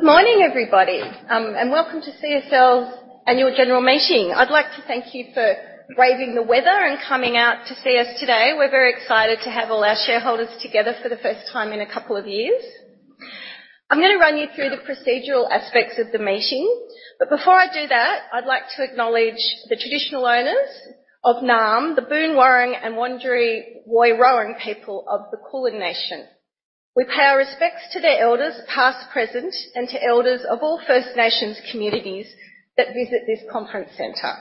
Good morning, everybody, and welcome to CSL's annual general meeting. I'd like to thank you for braving the weather and coming out to see us today. We're very excited to have all our shareholders together for the first time in a couple of years. I'm gonna run you through the procedural aspects of the meeting. Before I do that, I'd like to acknowledge the traditional owners of Naarm, the Boonwurrung and Wurundjeri Woi-wurrung people of the Kulin nation. We pay our respects to their elders, past, present, and to elders of all First Nations communities that visit this conference center.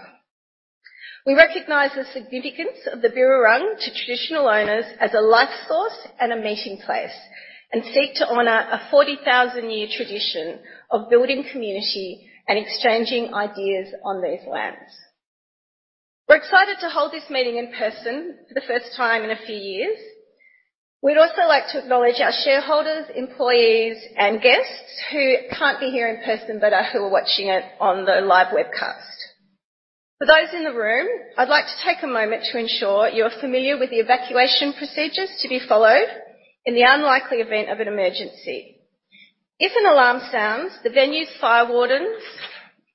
We recognize the significance of the Birrarung to traditional owners as a life source and a meeting place, and seek to honor a 40,000-year tradition of building community and exchanging ideas on these lands. We're excited to hold this meeting in person for the first time in a few years. We'd also like to acknowledge our shareholders, employees, and guests who can't be here in person, but who are watching it on the live webcast. For those in the room, I'd like to take a moment to ensure you're familiar with the evacuation procedures to be followed in the unlikely event of an emergency. If an alarm sounds, the venue's fire wardens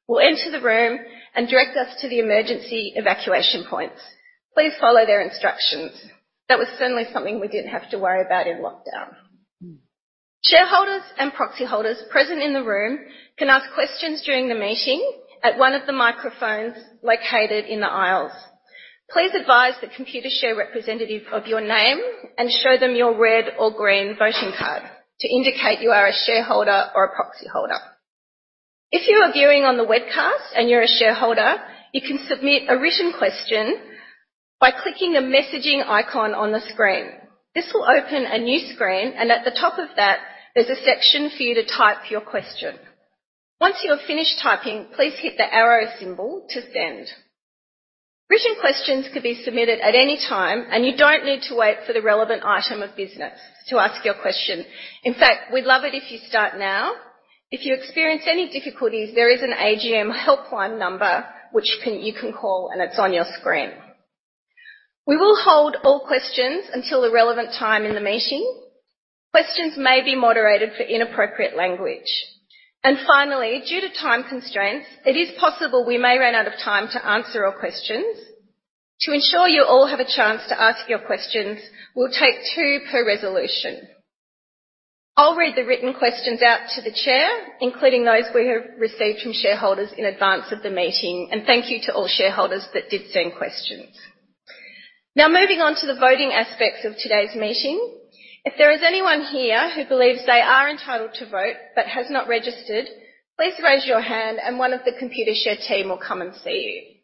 will enter the room and direct us to the emergency evacuation points. Please follow their instructions. That was certainly something we didn't have to worry about in lockdown. Shareholders and proxy holders present in the room can ask questions during the meeting at one of the microphones located in the aisles. Please advise the Computershare representative of your name and show them your red or green voting card to indicate you are a shareholder or a proxy holder. If you are viewing on the webcast and you're a shareholder, you can submit a written question by clicking the messaging icon on the screen. This will open a new screen, and at the top of that, there's a section for you to type your question. Once you have finished typing, please hit the arrow symbol to send. Written questions could be submitted at any time, and you don't need to wait for the relevant item of business to ask your question. In fact, we'd love it if you start now. If you experience any difficulties, there is an AGM helpline number which you can call, and it's on your screen. We will hold all questions until the relevant time in the meeting. Questions may be moderated for inappropriate language. Finally, due to time constraints, it is possible we may run out of time to answer all questions. To ensure you all have a chance to ask your questions, we'll take two per resolution. I'll read the written questions out to the chair, including those we have received from shareholders in advance of the meeting. Thank you to all shareholders that did send questions. Now moving on to the voting aspects of today's meeting. If there is anyone here who believes they are entitled to vote but has not registered, please raise your hand and one of the Computershare team will come and see you.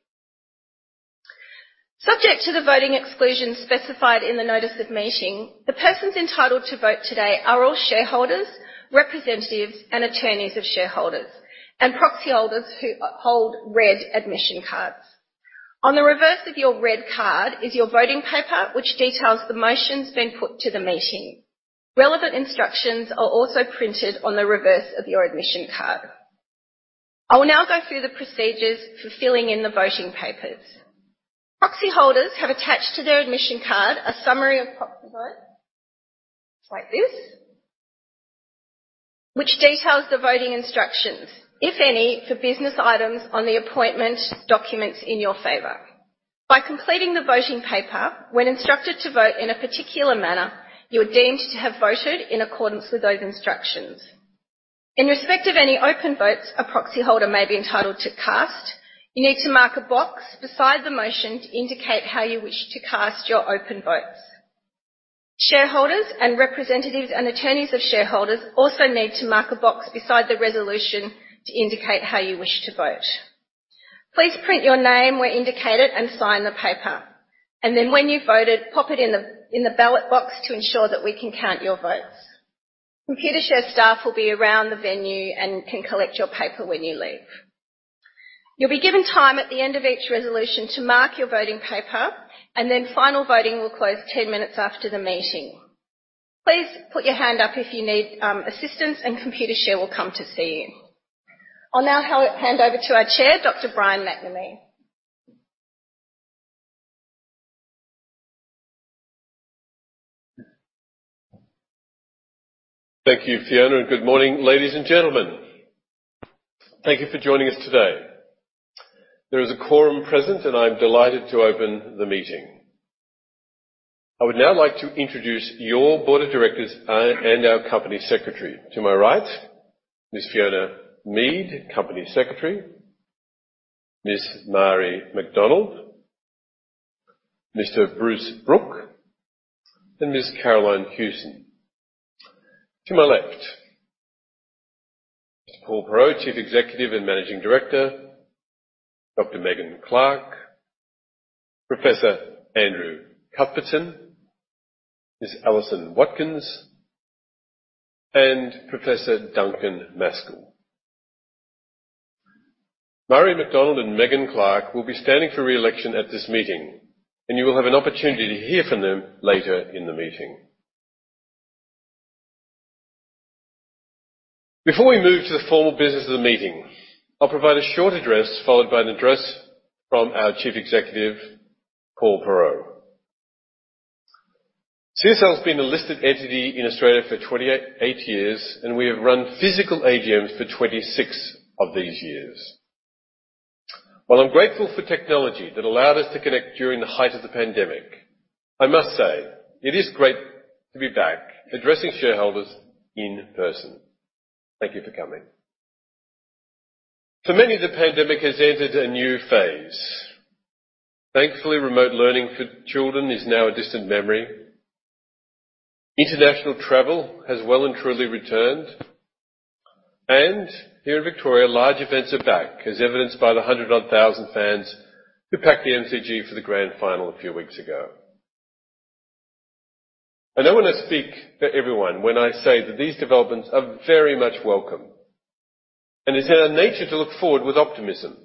Subject to the voting exclusions specified in the notice of meeting, the persons entitled to vote today are all shareholders, representatives, and attorneys of shareholders, and proxy holders who hold red admission cards. On the reverse of your red card is your voting paper, which details the motions being put to the meeting. Relevant instructions are also printed on the reverse of your admission card. I will now go through the procedures for filling in the voting papers. Proxy holders have attached to their admission card a summary of proxy vote, like this, which details the voting instructions, if any, for business items on the appointment documents in your favor. By completing the voting paper when instructed to vote in a particular manner, you're deemed to have voted in accordance with those instructions. In respect of any open votes a proxy holder may be entitled to cast, you need to mark a box beside the motion to indicate how you wish to cast your open votes. Shareholders and representatives and attorneys of shareholders also need to mark a box beside the resolution to indicate how you wish to vote. Please print your name where indicated and sign the paper. Then when you've voted, pop it in the ballot box to ensure that we can count your votes. Computershare staff will be around the venue and can collect your paper when you leave. You'll be given time at the end of each resolution to mark your voting paper, and then final voting will close 10 minutes after the meeting. Please put your hand up if you need assistance and Computershare will come to see you. I'll now hand over to our chair, Dr. Brian McNamee. Thank you, Fiona, and good morning, ladies and gentlemen. Thank you for joining us today. There is a quorum present, and I'm delighted to open the meeting. I would now like to introduce your board of directors and our company secretary. To my right, Ms. Fiona Mead, company secretary. Ms. Marie McDonald, Mr. Bruce Brook, and Ms. Carolyn Hewson. To my left, Mr. Paul Perreault, chief executive and managing director, Dr. Megan Clark, Professor Andrew Cuthbertson, Ms. Alison Watkins, and Professor Duncan Maskell. Marie McDonald and Megan Clark will be standing for re-election at this meeting, and you will have an opportunity to hear from them later in the meeting. Before we move to the formal business of the meeting, I'll provide a short address followed by an address from our Chief Executive, Paul Perreault. CSL has been a listed entity in Australia for 28 years, and we have run physical AGMs for 26 of these years. While I'm grateful for technology that allowed us to connect during the height of the pandemic, I must say it is great to be back addressing shareholders in person. Thank you for coming. For many, the pandemic has entered a new phase. Thankfully, remote learning for children is now a distant memory. International travel has well and truly returned. Here in Victoria, large events are back, as evidenced by the 100 and odd thousand fans who packed the MCG for the grand final a few weeks ago. I know when I speak for everyone when I say that these developments are very much welcome, and it's in our nature to look forward with optimism.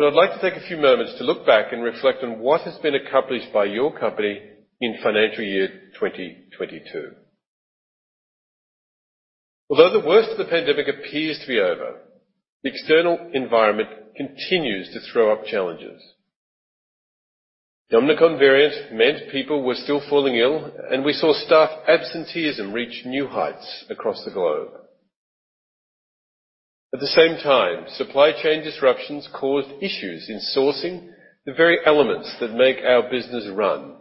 I'd like to take a few moments to look back and reflect on what has been accomplished by your company in financial year 2022. Although the worst of the pandemic appears to be over, the external environment continues to throw up challenges. The Omicron variant meant people were still falling ill, and we saw staff absenteeism reach new heights across the globe. At the same time, supply chain disruptions caused issues in sourcing the very elements that make our business run.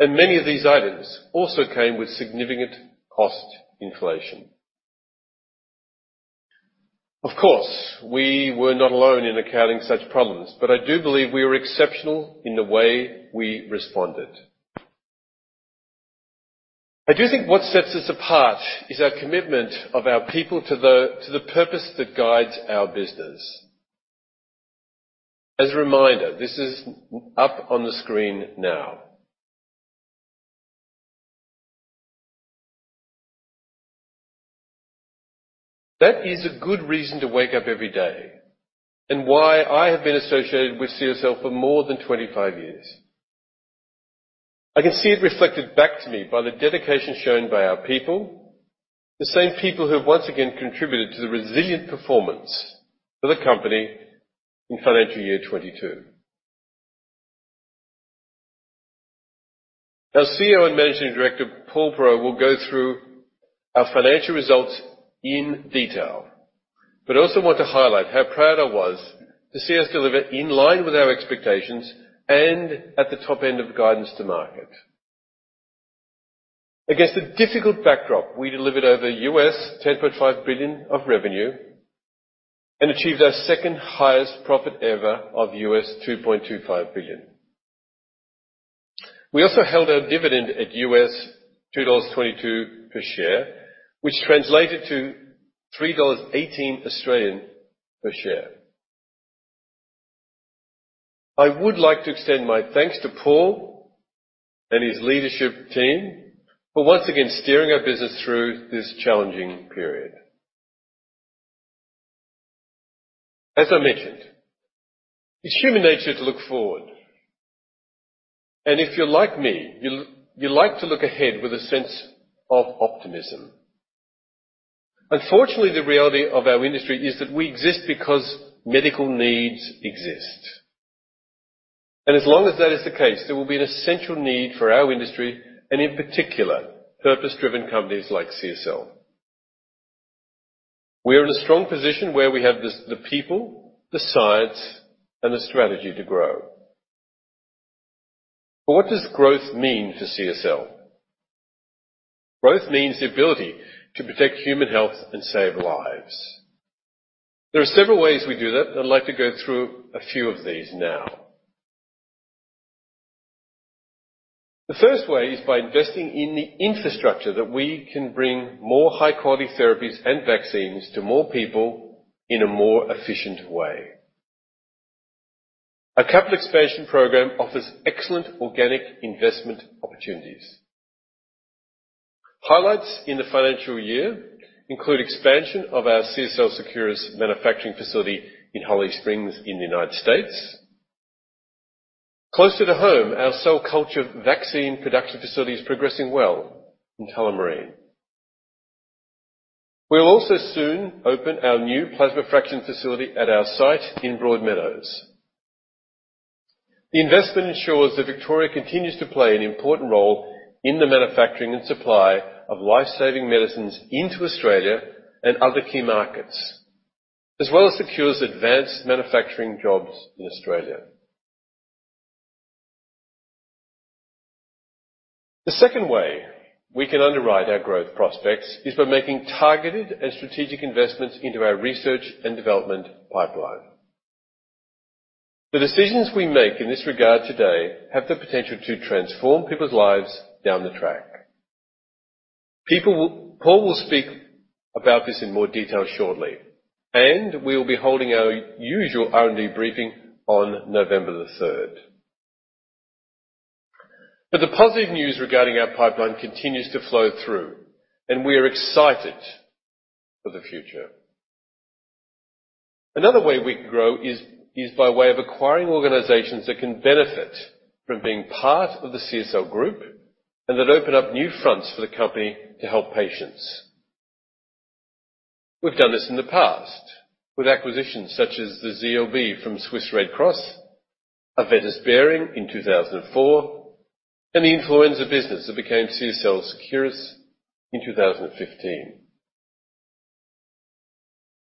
Many of these items also came with significant cost inflation. Of course, we were not alone in encountering such problems, but I do believe we were exceptional in the way we responded. I do think what sets us apart is our commitment of our people to the purpose that guides our business. As a reminder, this is up on the screen now. That is a good reason to wake up every day and why I have been associated with CSL for more than 25 years. I can see it reflected back to me by the dedication shown by our people, the same people who have once again contributed to the resilient performance of the company in financial year 2022. Our CEO and Managing Director, Paul Perreault, will go through our financial results in detail. I also want to highlight how proud I was to see us deliver in line with our expectations and at the top end of guidance to market. Against a difficult backdrop, we delivered over $10.5 billion of revenue and achieved our second-highest profit ever of $2.25 billion. We also held our dividend at $2.22 per share, which translated to 3.18 Australian dollars per share. I would like to extend my thanks to Paul and his leadership team for once again steering our business through this challenging period. As I mentioned, it's human nature to look forward. If you're like me, you'll, you like to look ahead with a sense of optimism. Unfortunately, the reality of our industry is that we exist because medical needs exist. As long as that is the case, there will be an essential need for our industry and, in particular, purpose-driven companies like CSL. We are in a strong position where we have the people, the science, and the strategy to grow. What does growth mean for CSL? Growth means the ability to protect human health and save lives. There are several ways we do that. I'd like to go through a few of these now. The first way is by investing in the infrastructure that we can bring more high-quality therapies and vaccines to more people in a more efficient way. Our capital expansion program offers excellent organic investment opportunities. Highlights in the financial year include expansion of our CSL Seqirus manufacturing facility in Holly Springs in the United States. Closer to home, our cell culture vaccine production facility is progressing well in Tullamarine. We'll also soon open our new plasma fraction facility at our site in Broadmeadows. The investment ensures that Victoria continues to play an important role in the manufacturing and supply of life-saving medicines into Australia and other key markets, as well as secures advanced manufacturing jobs in Australia. The second way we can underwrite our growth prospects is by making targeted and strategic investments into our research and development pipeline. The decisions we make in this regard today have the potential to transform people's lives down the track. Paul will speak about this in more detail shortly, and we will be holding our usual R&D briefing on November the third. The positive news regarding our pipeline continues to flow through, and we are excited for the future. Another way we can grow is by way of acquiring organizations that can benefit from being part of the CSL group and that open up new fronts for the company to help patients. We've done this in the past with acquisitions such as the ZLB from Swiss Red Cross, Aventis Behring in 2004, and the influenza business that became CSL Seqirus in 2015.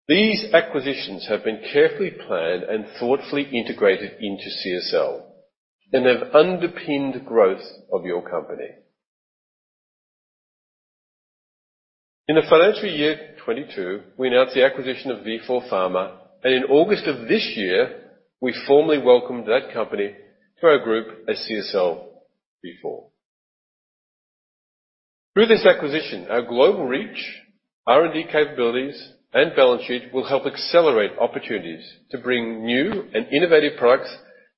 These acquisitions have been carefully planned and thoughtfully integrated into CSL and have underpinned growth of your company. In the financial year 2022, we announced the acquisition of Vifor Pharma, and in August of this year, we formally welcomed that company to our group as CSL Vifor. Through this acquisition, our global reach, R&D capabilities and balance sheet will help accelerate opportunities to bring new and innovative products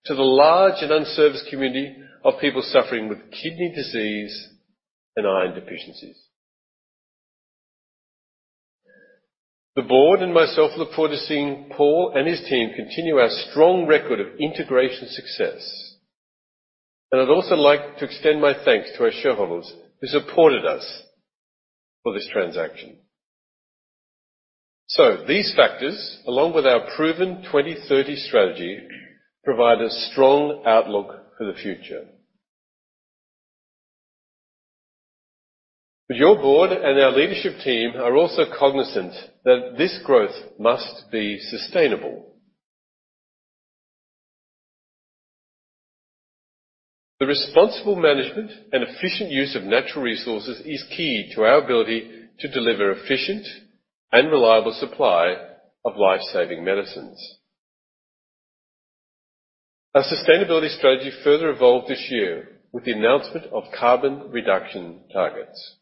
to the large and unserviced community of people suffering with kidney disease and iron deficiencies. The board and myself look forward to seeing Paul and his team continue our strong record of integration success. I'd also like to extend my thanks to our shareholders who supported us for this transaction. These factors, along with our proven 20-30 strategy, provide a strong outlook for the future. Your board and our leadership team are also cognizant that this growth must be sustainable. The responsible management and efficient use of natural resources is key to our ability to deliver efficient and reliable supply of life-saving medicines. Our sustainability strategy further evolved this year with the announcement of carbon reduction targets.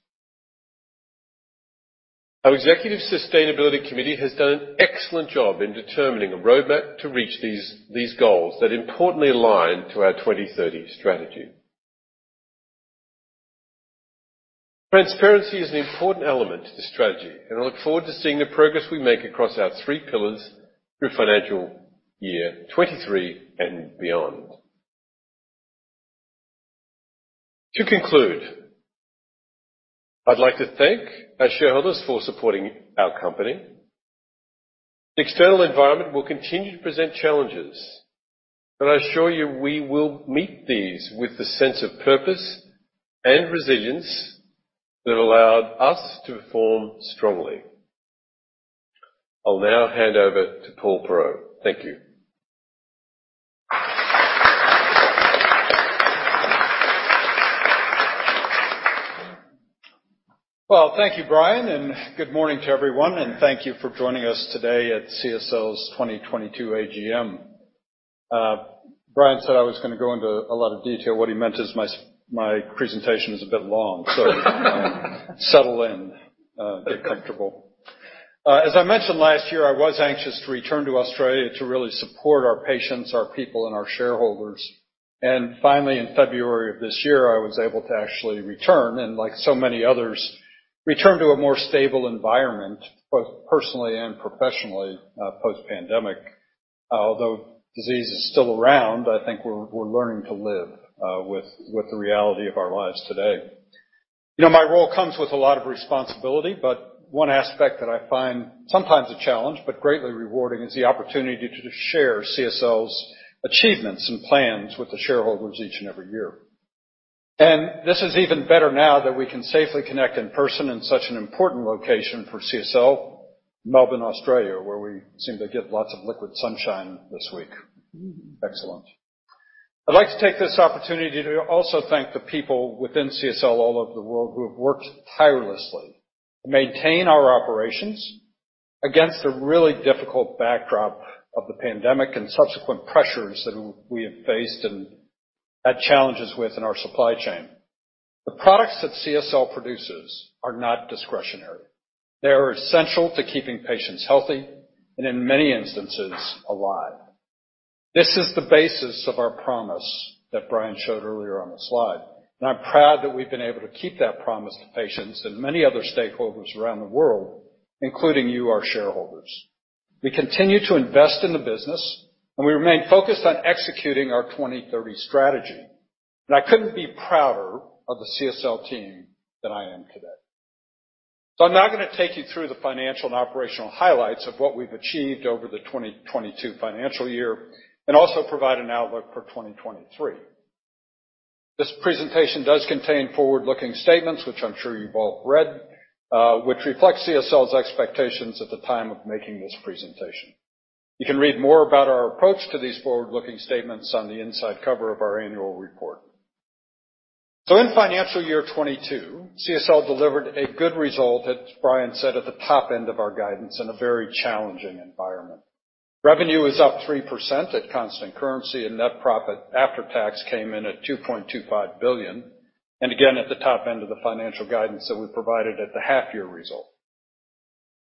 Our executive sustainability committee has done an excellent job in determining a roadmap to reach these goals that importantly align to our 2030 strategy. Transparency is an important element to the strategy, and I look forward to seeing the progress we make across our three pillars through financial year 2023 and beyond. To conclude, I'd like to thank our shareholders for supporting our company. The external environment will continue to present challenges, but I assure you we will meet these with the sense of purpose and resilience that allowed us to perform strongly. I'll now hand over to Paul Perreault. Thank you. Well, thank you, Brian, and good morning to everyone, and thank you for joining us today at CSL's 2022 AGM. Brian said I was gonna go into a lot of detail. What he meant is my presentation is a bit long so, settle in, get comfortable. As I mentioned last year, I was anxious to return to Australia to really support our patients, our people, and our shareholders. Finally, in February of this year, I was able to actually return, and like so many others, return to a more stable environment, both personally and professionally, post-pandemic. Although disease is still around, I think we're learning to live with the reality of our lives today. You know, my role comes with a lot of responsibility, but one aspect that I find sometimes a challenge but greatly rewarding is the opportunity to just share CSL's achievements and plans with the shareholders each and every year. This is even better now that we can safely connect in person in such an important location for CSL, Melbourne, Australia, where we seem to get lots of liquid sunshine this week. Excellent. I'd like to take this opportunity to also thank the people within CSL all over the world who have worked tirelessly to maintain our operations against a really difficult backdrop of the pandemic and subsequent pressures that we have faced and had challenges with in our supply chain. The products that CSL produces are not discretionary. They are essential to keeping patients healthy and, in many instances, alive. This is the basis of our promise that Brian showed earlier on the slide, and I'm proud that we've been able to keep that promise to patients and many other stakeholders around the world, including you, our shareholders. We continue to invest in the business, and we remain focused on executing our 2030 strategy. I couldn't be prouder of the CSL team than I am today. I'm now gonna take you through the financial and operational highlights of what we've achieved over the 2022 financial year and also provide an outlook for 2023. This presentation does contain forward-looking statements, which I'm sure you've all read, which reflect CSL's expectations at the time of making this presentation. You can read more about our approach to these forward-looking statements on the inside cover of our annual report. In financial year 2022, CSL delivered a good result, as Brian said, at the top end of our guidance in a very challenging environment. Revenue was up 3% at constant currency, and net profit after tax came in at 2.25 billion, and again, at the top end of the financial guidance that we provided at the half-year result.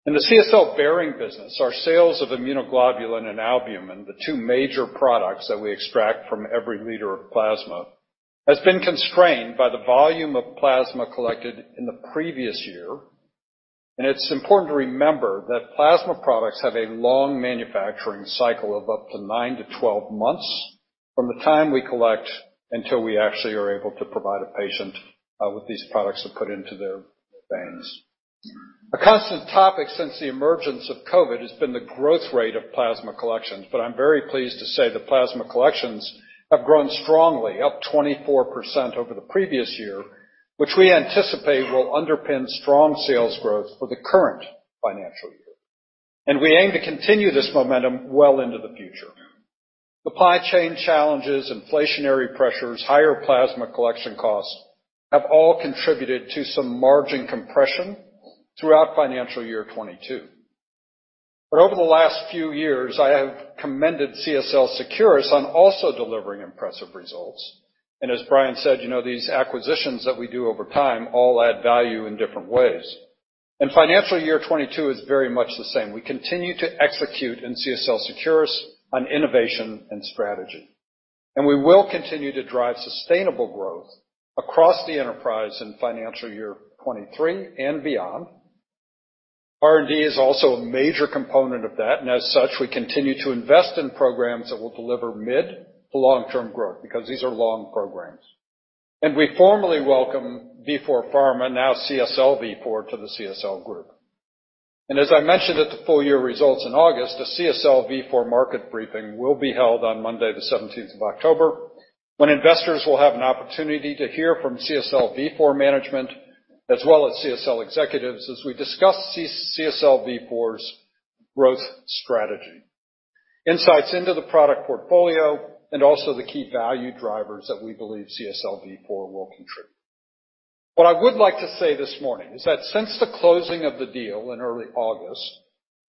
In the CSL Behring business, our sales of immunoglobulin and albumin, the two major products that we extract from every liter of plasma, has been constrained by the volume of plasma collected in the previous year. It's important to remember that plasma products have a long manufacturing cycle of up to nine to 12 months from the time we collect until we actually are able to provide a patient with these products to put into their veins. A constant topic since the emergence of COVID has been the growth rate of plasma collections, but I'm very pleased to say that plasma collections have grown strongly, up 24% over the previous year, which we anticipate will underpin strong sales growth for the current financial year. We aim to continue this momentum well into the future. Supply chain challenges, inflationary pressures, higher plasma collection costs, have all contributed to some margin compression throughout financial year 2022. Over the last few years, I have commended CSL Seqirus on also delivering impressive results. As Brian said, you know, these acquisitions that we do over time all add value in different ways. In financial year 2022 is very much the same. We continue to execute in CSL Seqirus on innovation and strategy. We will continue to drive sustainable growth across the enterprise in financial year 2023 and beyond. R&D is also a major component of that, and as such, we continue to invest in programs that will deliver mid to long-term growth because these are long programs. We formally welcome Vifor Pharma, now CSL Vifor, to the CSL group. As I mentioned at the full-year results in August, the CSL Vifor market briefing will be held on Monday, the seventeenth of October, when investors will have an opportunity to hear from CSL Vifor management as well as CSL executives as we discuss CSL Vifor's growth strategy, insights into the product portfolio, and also the key value drivers that we believe CSL Vifor will contribute. What I would like to say this morning is that since the closing of the deal in early August,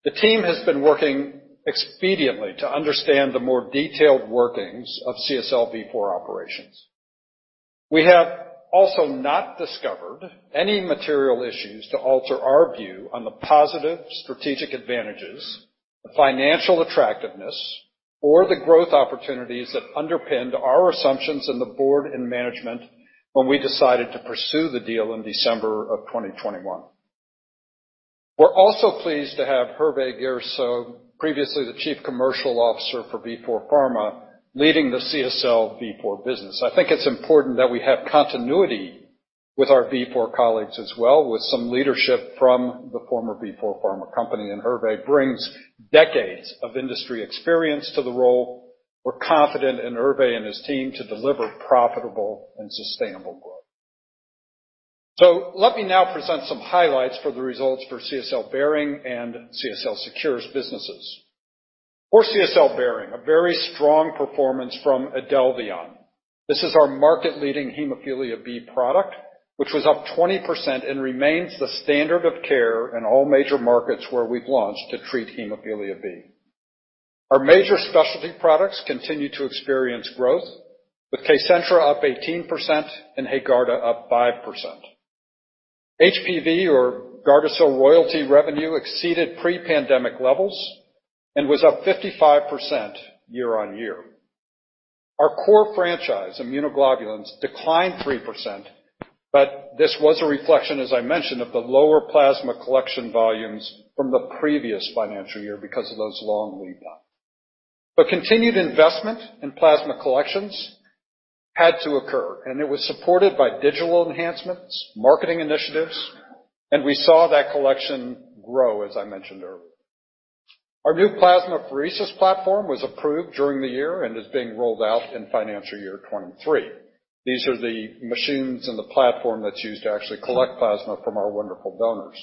the team has been working expeditiously to understand the more detailed workings of CSL Vifor operations. We have also not discovered any material issues to alter our view on the positive strategic advantages, the financial attractiveness, or the growth opportunities that underpinned our assumptions in the board and management when we decided to pursue the deal in December 2021. We're also pleased to have Hervé Gisserot, previously the Chief Commercial Officer for Vifor Pharma, leading the CSL Vifor business. I think it's important that we have continuity with our Vifor colleagues as well, with some leadership from the former Vifor Pharma company, and Hervé brings decades of industry experience to the role. We're confident in Hervé and his team to deliver profitable and sustainable growth. Let me now present some highlights for the results for CSL Behring and CSL Seqirus businesses. For CSL Behring, a very strong performance from IDELVION. This is our market-leading hemophilia B product, which was up 20% and remains the standard of care in all major markets where we've launched to treat hemophilia B. Our major specialty products continue to experience growth, with KCENTRA up 18% and HAEGARDA up 5%. HPV or GARDASIL royalty revenue exceeded pre-pandemic levels and was up 55% year-on-year. Our core franchise, immunoglobulins, declined 3%, but this was a reflection, as I mentioned, of the lower plasma collection volumes from the previous financial year because of those long lead time. The continued investment in plasma collections had to occur, and it was supported by digital enhancements, marketing initiatives, and we saw that collection grow, as I mentioned earlier. Our new plasmapheresis platform was approved during the year and is being rolled out in financial year 2023. These are the machines in the platform that's used to actually collect plasma from our wonderful donors.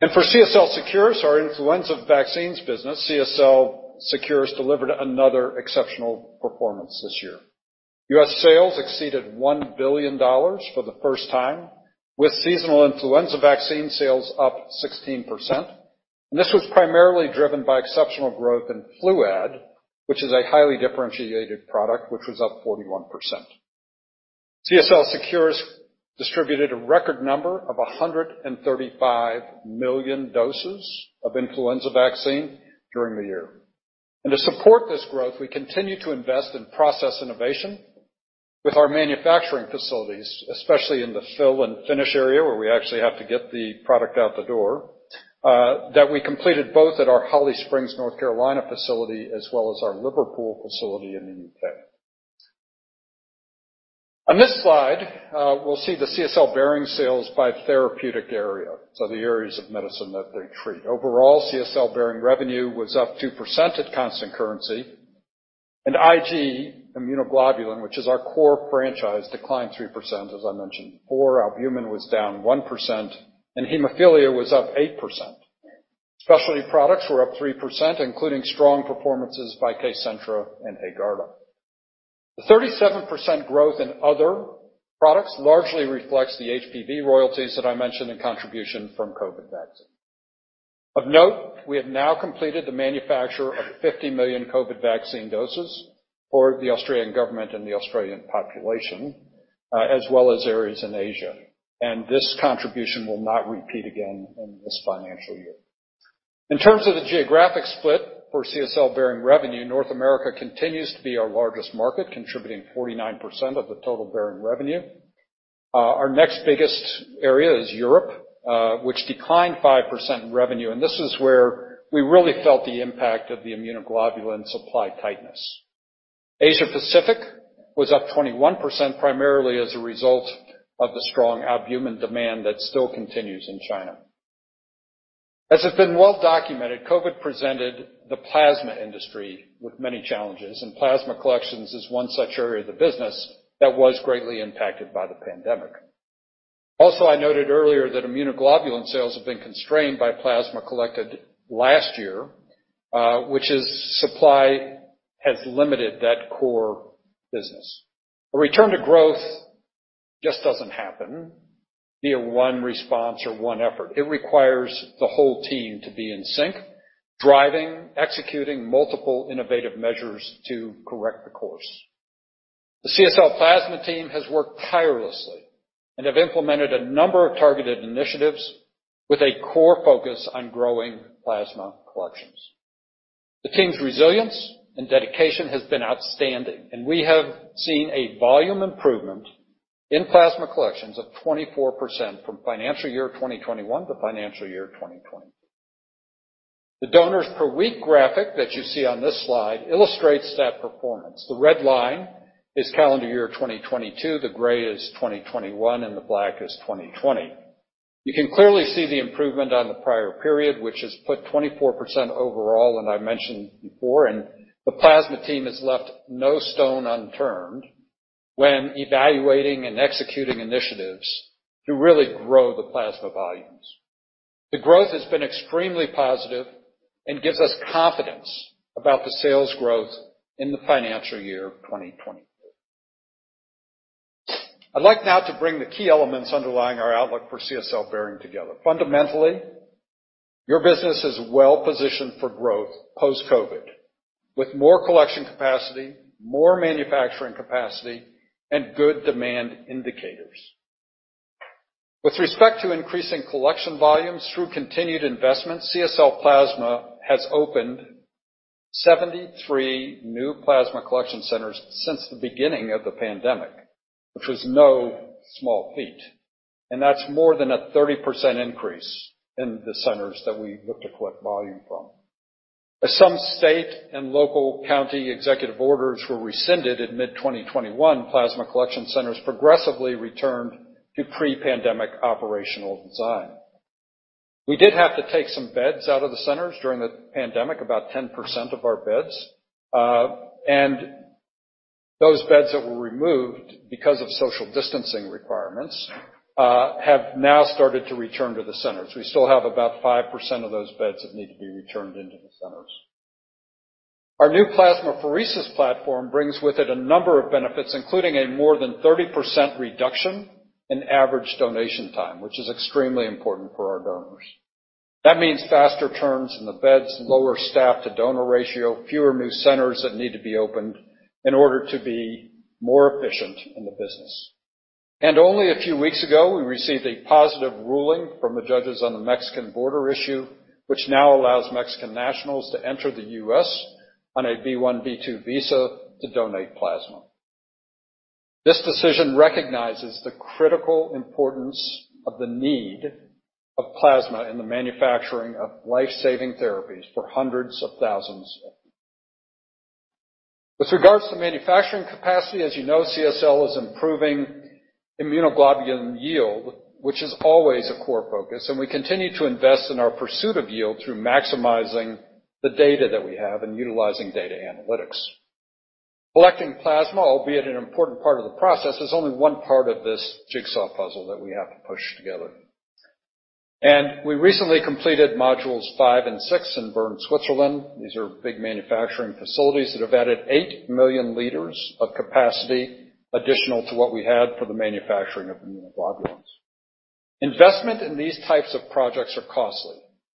For CSL Seqirus, our influenza vaccines business, CSL Seqirus delivered another exceptional performance this year. U.S. sales exceeded $1 billion for the first time, with seasonal influenza vaccine sales up 16%. This was primarily driven by exceptional growth in FLUAD, which is a highly differentiated product, which was up 41%. CSL Seqirus distributed a record number of 135 million doses of influenza vaccine during the year. To support this growth, we continue to invest in process innovation with our manufacturing facilities, especially in the fill and finish area, where we actually have to get the product out the door, that we completed both at our Holly Springs, North Carolina facility as well as our Liverpool facility in the U.K.. On this slide, we'll see the CSL Behring sales by therapeutic area, so the areas of medicine that they treat. Overall, CSL Behring revenue was up 2% at constant currency, and IG, immunoglobulin, which is our core franchise, declined 3%, as I mentioned. For albumin was down 1% and hemophilia was up 8%. Specialty products were up 3%, including strong performances by KCENTRA and HAEGARDA. The 37% growth in other products largely reflects the HPV royalties that I mentioned and contribution from COVID vaccine. Of note, we have now completed the manufacture of 50 million COVID vaccine doses for the Australian Government and the Australian population, as well as areas in Asia, and this contribution will not repeat again in this financial year. In terms of the geographic split for CSL Behring revenue, North America continues to be our largest market, contributing 49% of the total Behring revenue. Our next biggest area is Europe, which declined 5% in revenue, and this is where we really felt the impact of the immunoglobulin supply tightness. Asia Pacific was up 21%, primarily as a result of the strong albumin demand that still continues in China. As has been well documented, COVID presented the plasma industry with many challenges, and plasma collections is one such area of the business that was greatly impacted by the pandemic. Also, I noted earlier that immunoglobulin sales have been constrained by plasma collected last year, which is supply has limited that core business. A return to growth just doesn't happen via one response or one effort. It requires the whole team to be in sync, driving, executing multiple innovative measures to correct the course. The CSL Plasma team has worked tirelessly and have implemented a number of targeted initiatives with a core focus on growing plasma collections. The team's resilience and dedication has been outstanding, and we have seen a volume improvement in plasma collections of 24% from financial year 2020 to financial year 2021. The donors per week graphic that you see on this slide illustrates that performance. The red line is calendar year 2022. The gray is 2021, and the black is 2020. You can clearly see the improvement on the prior period, which has put 24% overall, and I mentioned before, and the plasma team has left no stone unturned when evaluating and executing initiatives to really grow the plasma volumes. The growth has been extremely positive and gives us confidence about the sales growth in the financial year 2020. I'd like now to bring the key elements underlying our outlook for CSL Behring together. Fundamentally, your business is well-positioned for growth post-COVID, with more collection capacity, more manufacturing capacity, and good demand indicators. With respect to increasing collection volumes through continued investment, CSL Plasma has opened 73 new plasma collection centers since the beginning of the pandemic, which was no small feat, and that's more than a 30% increase in the centers that we look to collect volume from. As some state and local county executive orders were rescinded in mid-2021, plasma collection centers progressively returned to pre-pandemic operational design. We did have to take some beds out of the centers during the pandemic, about 10% of our beds, and those beds that were removed because of social distancing requirements have now started to return to the centers. We still have about 5% of those beds that need to be returned into the centers. Our new plasmapheresis platform brings with it a number of benefits, including a more than 30% reduction in average donation time, which is extremely important for our donors. That means faster turns in the beds, lower staff-to-donor ratio, fewer new centers that need to be opened in order to be more efficient in the business. Only a few weeks ago, we received a positive ruling from the judges on the Mexican border issue, which now allows Mexican nationals to enter the U.S. on a B-1, B-2 visa to donate plasma. This decision recognizes the critical importance of the need of plasma in the manufacturing of life-saving therapies for hundreds of thousands. With regards to manufacturing capacity, as you know, CSL is improving immunoglobulin yield, which is always a core focus, and we continue to invest in our pursuit of yield through maximizing the data that we have and utilizing data analytics. Collecting plasma, albeit an important part of the process, is only one part of this jigsaw puzzle that we have to push together. We recently completed Modules 5 and 6 in Bern, Switzerland. These are big manufacturing facilities that have added 8 million liters of capacity additional to what we had for the manufacturing of immunoglobulins. Investment in these types of projects are costly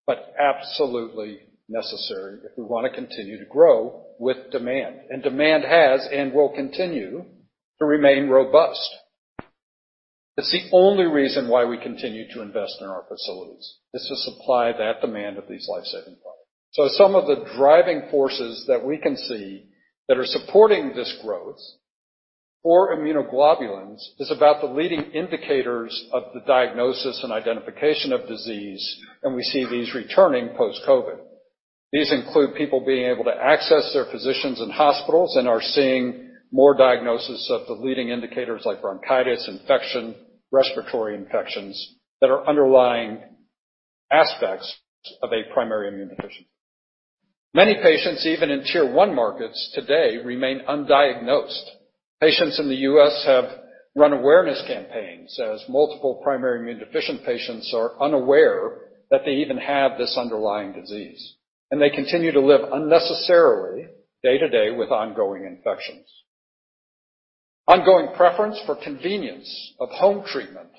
but absolutely necessary if we want to continue to grow with demand, and demand has and will continue to remain robust. That's the only reason why we continue to invest in our facilities is to supply that demand of these life-saving products. Some of the driving forces that we can see that are supporting this growth for immunoglobulins is about the leading indicators of the diagnosis and identification of disease, and we see these returning post-COVID. These include people being able to access their physicians in hospitals and are seeing more diagnosis of the leading indicators like bronchitis, infection, respiratory infections that are underlying aspects of a primary immunodeficiency. Many patients, even in Tier 1 markets today, remain undiagnosed. Patients in the U.S. have run awareness campaigns as multiple primary immunodeficient patients are unaware that they even have this underlying disease, and they continue to live unnecessarily day to day with ongoing infections. Ongoing preference for convenience of home treatment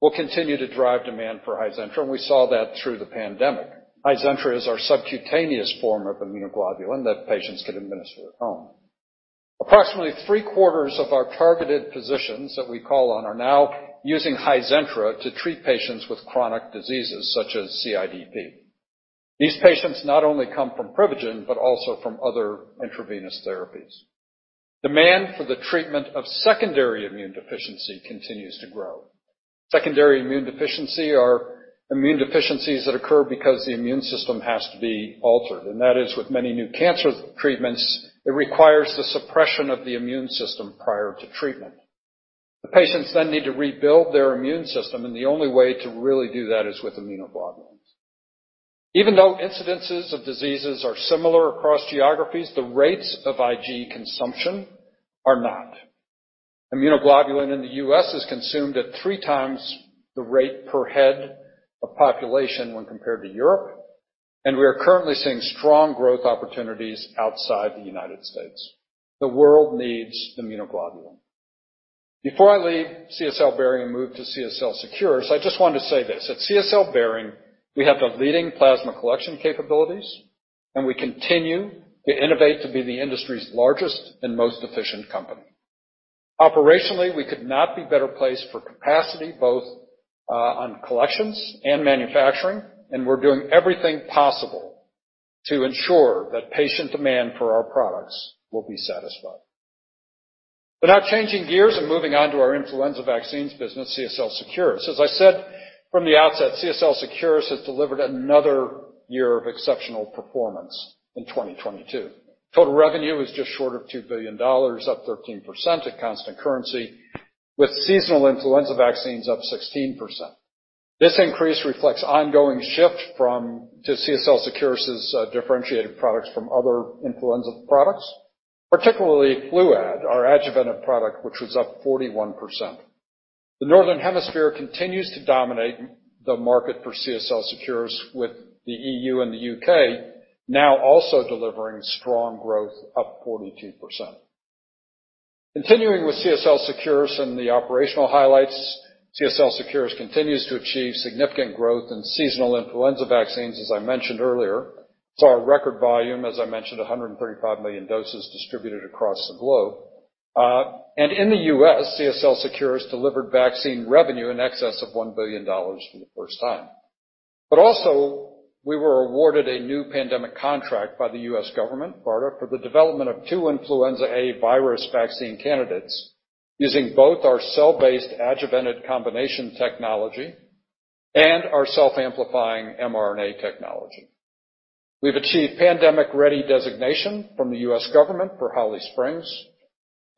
will continue to drive demand for HIZENTRA, and we saw that through the pandemic. HIZENTRA is our subcutaneous form of immunoglobulin that patients can administer at home. Approximately three-quarters of our targeted physicians that we call on are now using HIZENTRA to treat patients with chronic diseases such as CIDP. These patients not only come from PRIVIGEN, but also from other intravenous therapies. Demand for the treatment of secondary immune deficiency continues to grow. Secondary immune deficiency are immune deficiencies that occur because the immune system has to be altered, and that is with many new cancer treatments, it requires the suppression of the immune system prior to treatment. The patients then need to rebuild their immune system, and the only way to really do that is with immunoglobulins. Even though incidences of diseases are similar across geographies, the rates of IG consumption are not. Immunoglobulin in the U.S. is consumed at three times the rate per head of population when compared to Europe, and we are currently seeing strong growth opportunities outside the United States. The world needs immunoglobulin. Before I leave CSL Behring and move to CSL Seqirus, I just want to say this: At CSL Behring, we have the leading plasma collection capabilities, and we continue to innovate to be the industry's largest and most efficient company. Operationally, we could not be better placed for capacity, both on collections and manufacturing, and we're doing everything possible to ensure that patient demand for our products will be satisfied. Now changing gears and moving on to our influenza vaccines business, CSL Seqirus. As I said from the outset, CSL Seqirus has delivered another year of exceptional performance in 2022. Total revenue is just short of 2 billion dollars, up 13% at constant currency, with seasonal influenza vaccines up 16%. This increase reflects ongoing shift to CSL Seqirus' differentiated products from other influenza products, particularly Fluad, our adjuvanted product, which was up 41%. The Northern Hemisphere continues to dominate the market for CSL Seqirus, with the EU and the UK now also delivering strong growth up 42%. Continuing with CSL Seqirus and the operational highlights. CSL Seqirus continues to achieve significant growth in seasonal influenza vaccines, as I mentioned earlier. Saw a record volume, as I mentioned, 135 million doses distributed across the globe. And in the US, CSL Seqirus delivered vaccine revenue in excess of $1 billion for the first time. Also, we were awarded a new pandemic contract by the US government, BARDA, for the development of two influenza A virus vaccine candidates using both our cell-based adjuvanted combination technology and our self-amplifying mRNA technology. We've achieved pandemic ready designation from the U.S. government for Holly Springs.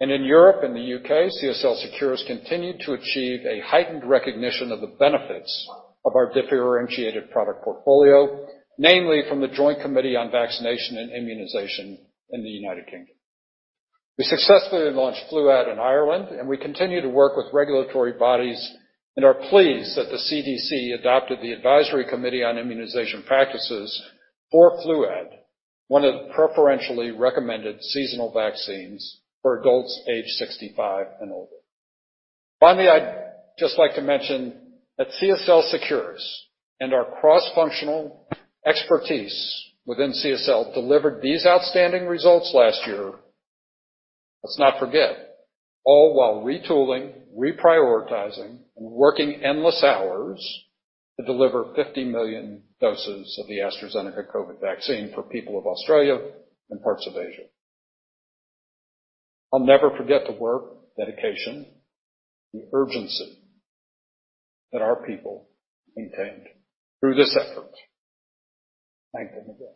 In Europe and the U.K., CSL Seqirus continued to achieve a heightened recognition of the benefits of our differentiated product portfolio, namely from the Joint Committee on Vaccination and Immunization in the United Kingdom. We successfully launched Fluad in Ireland and we continue to work with regulatory bodies and are pleased that the CDC adopted the Advisory Committee on Immunization Practices for Fluad, one of the preferentially recommended seasonal vaccines for adults aged 65 and older. Finally, I'd just like to mention that CSL Seqirus and our cross-functional expertise within CSL delivered these outstanding results last year. Let's not forget, all while retooling, reprioritizing, and working endless hours to deliver 50 million doses of the AstraZeneca COVID vaccine for people of Australia and parts of Asia. I'll never forget the work, dedication, the urgency that our people maintained through this effort. Thank them again.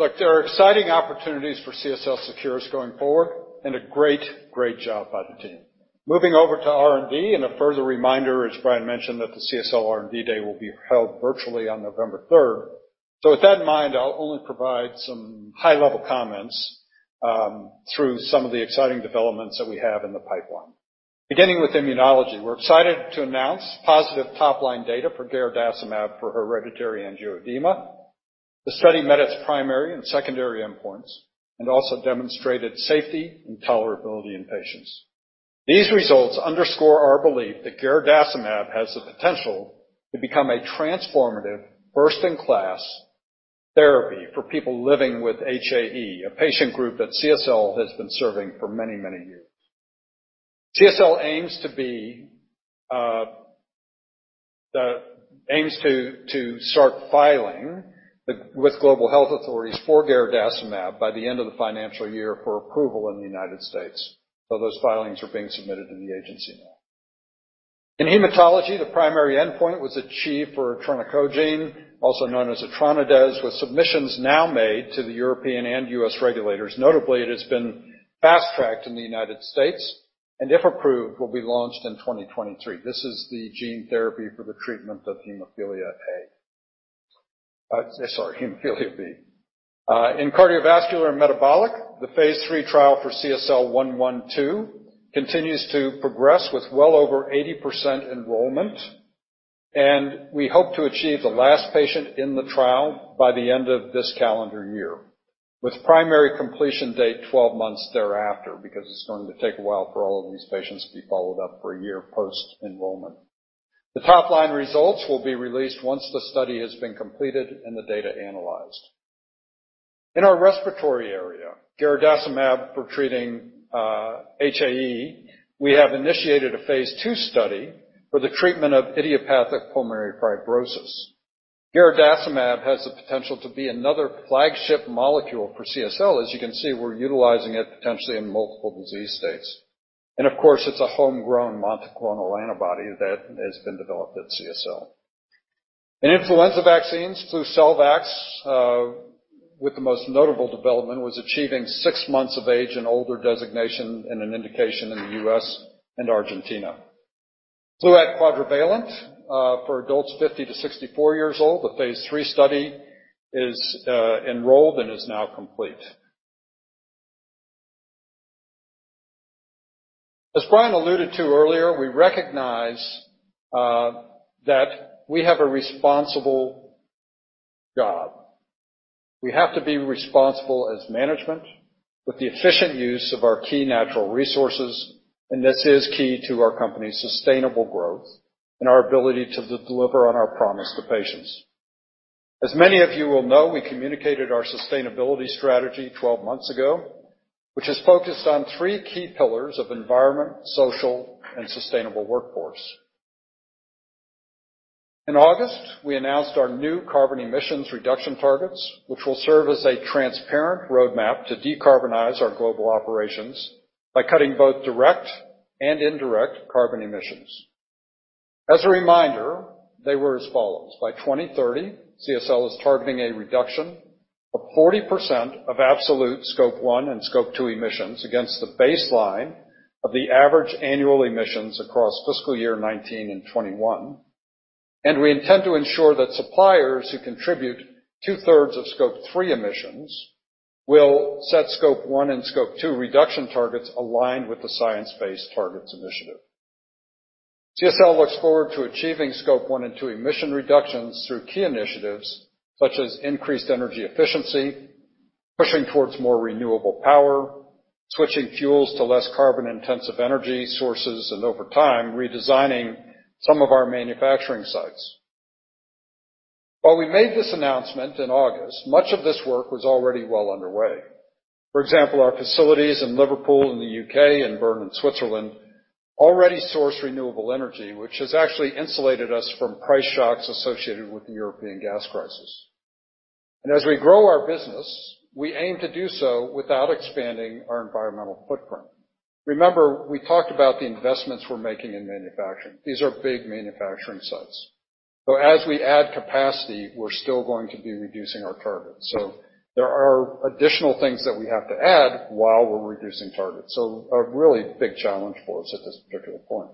Look, there are exciting opportunities for CSL Seqirus going forward and a great job by the team. Moving over to R&D and a further reminder, as Brian mentioned, that the CSL R&D day will be held virtually on November third. With that in mind, I'll only provide some high-level comments through some of the exciting developments that we have in the pipeline. Beginning with immunology. We're excited to announce positive top-line data for garadacimab for hereditary angioedema. The study met its primary and secondary endpoints and also demonstrated safety and tolerability in patients. These results underscore our belief that garadacimab has the potential to become a transformative first-in-class therapy for people living with HAE, a patient group that CSL has been serving for many, many years. CSL aims to start filing with global health authorities for garadacimab by the end of the financial year for approval in the United States. Those filings are being submitted to the agency now. In hematology, the primary endpoint was achieved for etranacogene dezaparvovec, with submissions now made to the European and U.S. regulators. Notably, it has been fast-tracked in the United States and if approved, will be launched in 2023. This is the gene therapy for the treatment of hemophilia B. In cardiovascular and metabolic, the phase III trial for CSL112 continues to progress with well over 80% enrollment, and we hope to achieve the last patient in the trial by the end of this calendar year, with primary completion date 12 months thereafter, because it's going to take a while for all of these patients to be followed up for a year post-enrollment. The top-line results will be released once the study has been completed and the data analyzed. In our respiratory area, garadacimab for treating HAE, we have initiated a phase II study for the treatment of idiopathic pulmonary fibrosis. Garadacimab has the potential to be another flagship molecule for CSL. As you can see, we're utilizing it potentially in multiple disease states. Of course, it's a homegrown monoclonal antibody that has been developed at CSL. In influenza vaccines, FLUAD, FLUCELVAX, with the most notable development, was achieving six months of age and older designation in an indication in the US and Argentina. FLUAD Quadrivalent, for adults 50 to 64 years old, the phase III study is enrolled and is now complete. As Brian alluded to earlier, we recognize that we have a responsible job. We have to be responsible as management with the efficient use of our key natural resources, and this is key to our company's sustainable growth and our ability to deliver on our promise to patients. As many of you will know, we communicated our sustainability strategy 12 months ago, which is focused on three key pillars of environment, social, and sustainable workforce. In August, we announced our new carbon emissions reduction targets, which will serve as a transparent roadmap to decarbonize our global operations by cutting both direct and indirect carbon emissions. As a reminder, they were as follows. By 2030, CSL is targeting a reduction of 40% of absolute Scope 1 and Scope 2 emissions against the baseline of the average annual emissions across fiscal year 2019 and 2021. We intend to ensure that suppliers who contribute two-thirds of Scope 3 emissions will set Scope 1 and Scope 2 reduction targets aligned with the Science Based Targets initiative. CSL looks forward to achieving Scope 1 and Scope 2 emission reductions through key initiatives such as increased energy efficiency, pushing towards more renewable power, switching fuels to less carbon-intensive energy sources, and over time, redesigning some of our manufacturing sites. While we made this announcement in August, much of this work was already well underway. For example, our facilities in Liverpool in the U.K. and Bern in Switzerland already source renewable energy, which has actually insulated us from price shocks associated with the European gas crisis. As we grow our business, we aim to do so without expanding our environmental footprint. Remember, we talked about the investments we're making in manufacturing. These are big manufacturing sites. As we add capacity, we're still going to be reducing our targets. There are additional things that we have to add while we're reducing targets. A really big challenge for us at this particular point.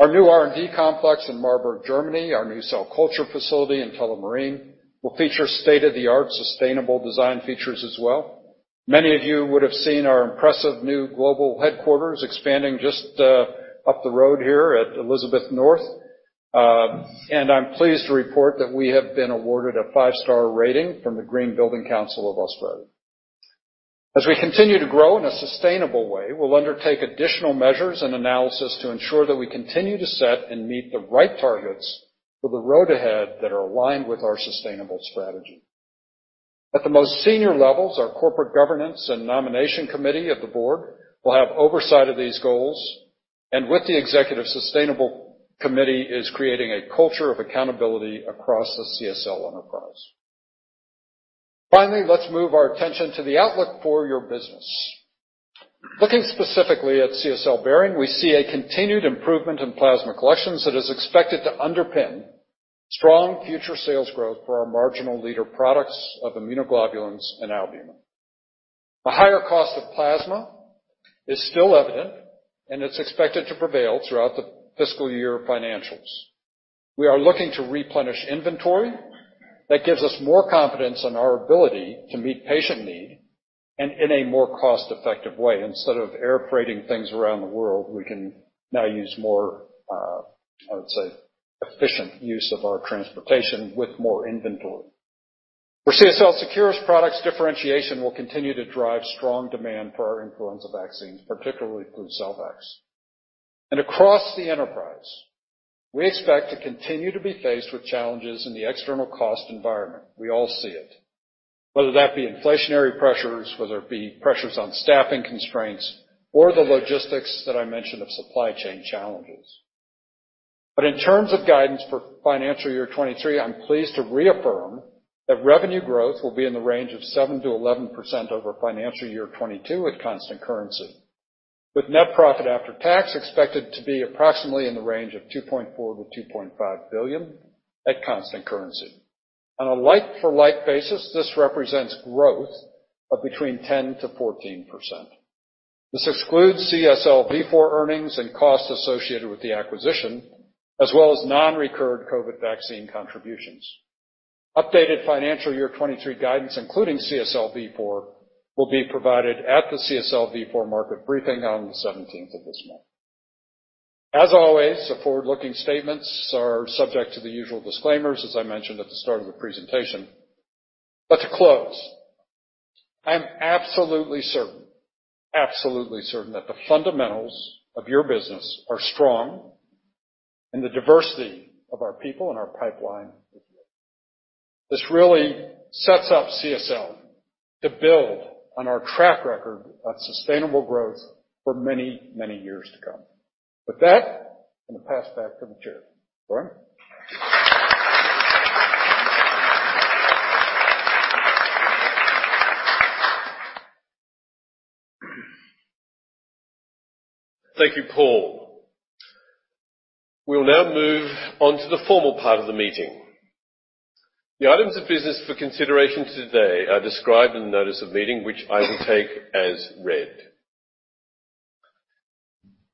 Our new R&D complex in Marburg, Germany, our new cell culture facility in Tullamarine, will feature state-of-the-art sustainable design features as well. Many of you would have seen our impressive new global headquarters expanding just up the road here at Elizabeth North. I'm pleased to report that we have been awarded a five-star rating from the Green Building Council of Australia. As we continue to grow in a sustainable way, we'll undertake additional measures and analysis to ensure that we continue to set and meet the right targets for the road ahead that are aligned with our sustainable strategy. At the most senior levels, our Corporate Governance and Nomination Committee of the board will have oversight of these goals, and with the executive sustainable committee, is creating a culture of accountability across the CSL enterprise. Finally, let's move our attention to the outlook for your business. Looking specifically at CSL Behring, we see a continued improvement in plasma collections that is expected to underpin strong future sales growth for our market-leading products of immunoglobulins and albumin. The higher cost of plasma is still evident, and it's expected to prevail throughout the fiscal year financials. We are looking to replenish inventory that gives us more confidence in our ability to meet patient need and in a more cost-effective way. Instead of air freighting things around the world, we can now use more, I would say, efficient use of our transportation with more inventory. For CSL Seqirus products, differentiation will continue to drive strong demand for our influenza vaccines, particularly Fluad and Flucelvax. Across the enterprise, we expect to continue to be faced with challenges in the external cost environment. We all see it, whether that be inflationary pressures, whether it be pressures on staffing constraints or the logistics that I mentioned of supply chain challenges. In terms of guidance for financial year 2023, I'm pleased to reaffirm that revenue growth will be in the range of 7%-11% over financial year 2022 at constant currency, with net profit after tax expected to be approximately in the range of $2.4 billion-$2.5 billion at constant currency. On a like for like basis, this represents growth of between 10%-14%. This excludes CSL Vifor earnings and costs associated with the acquisition, as well as non-recurrent COVID vaccine contributions. Updated financial year 2023 guidance, including CSL Vifor, will be provided at the CSL Vifor market briefing on the seventeenth of this month. As always, the forward-looking statements are subject to the usual disclaimers, as I mentioned at the start of the presentation. To close, I am absolutely certain, absolutely certain that the fundamentals of your business are strong. The diversity of our people and our pipeline is great. This really sets up CSL to build on our track record of sustainable growth for many, many years to come. With that, I'm gonna pass back to the chair. Brian. Thank you, Paul. We'll now move on to the formal part of the meeting. The items of business for consideration today are described in the notice of meeting, which I will take as read.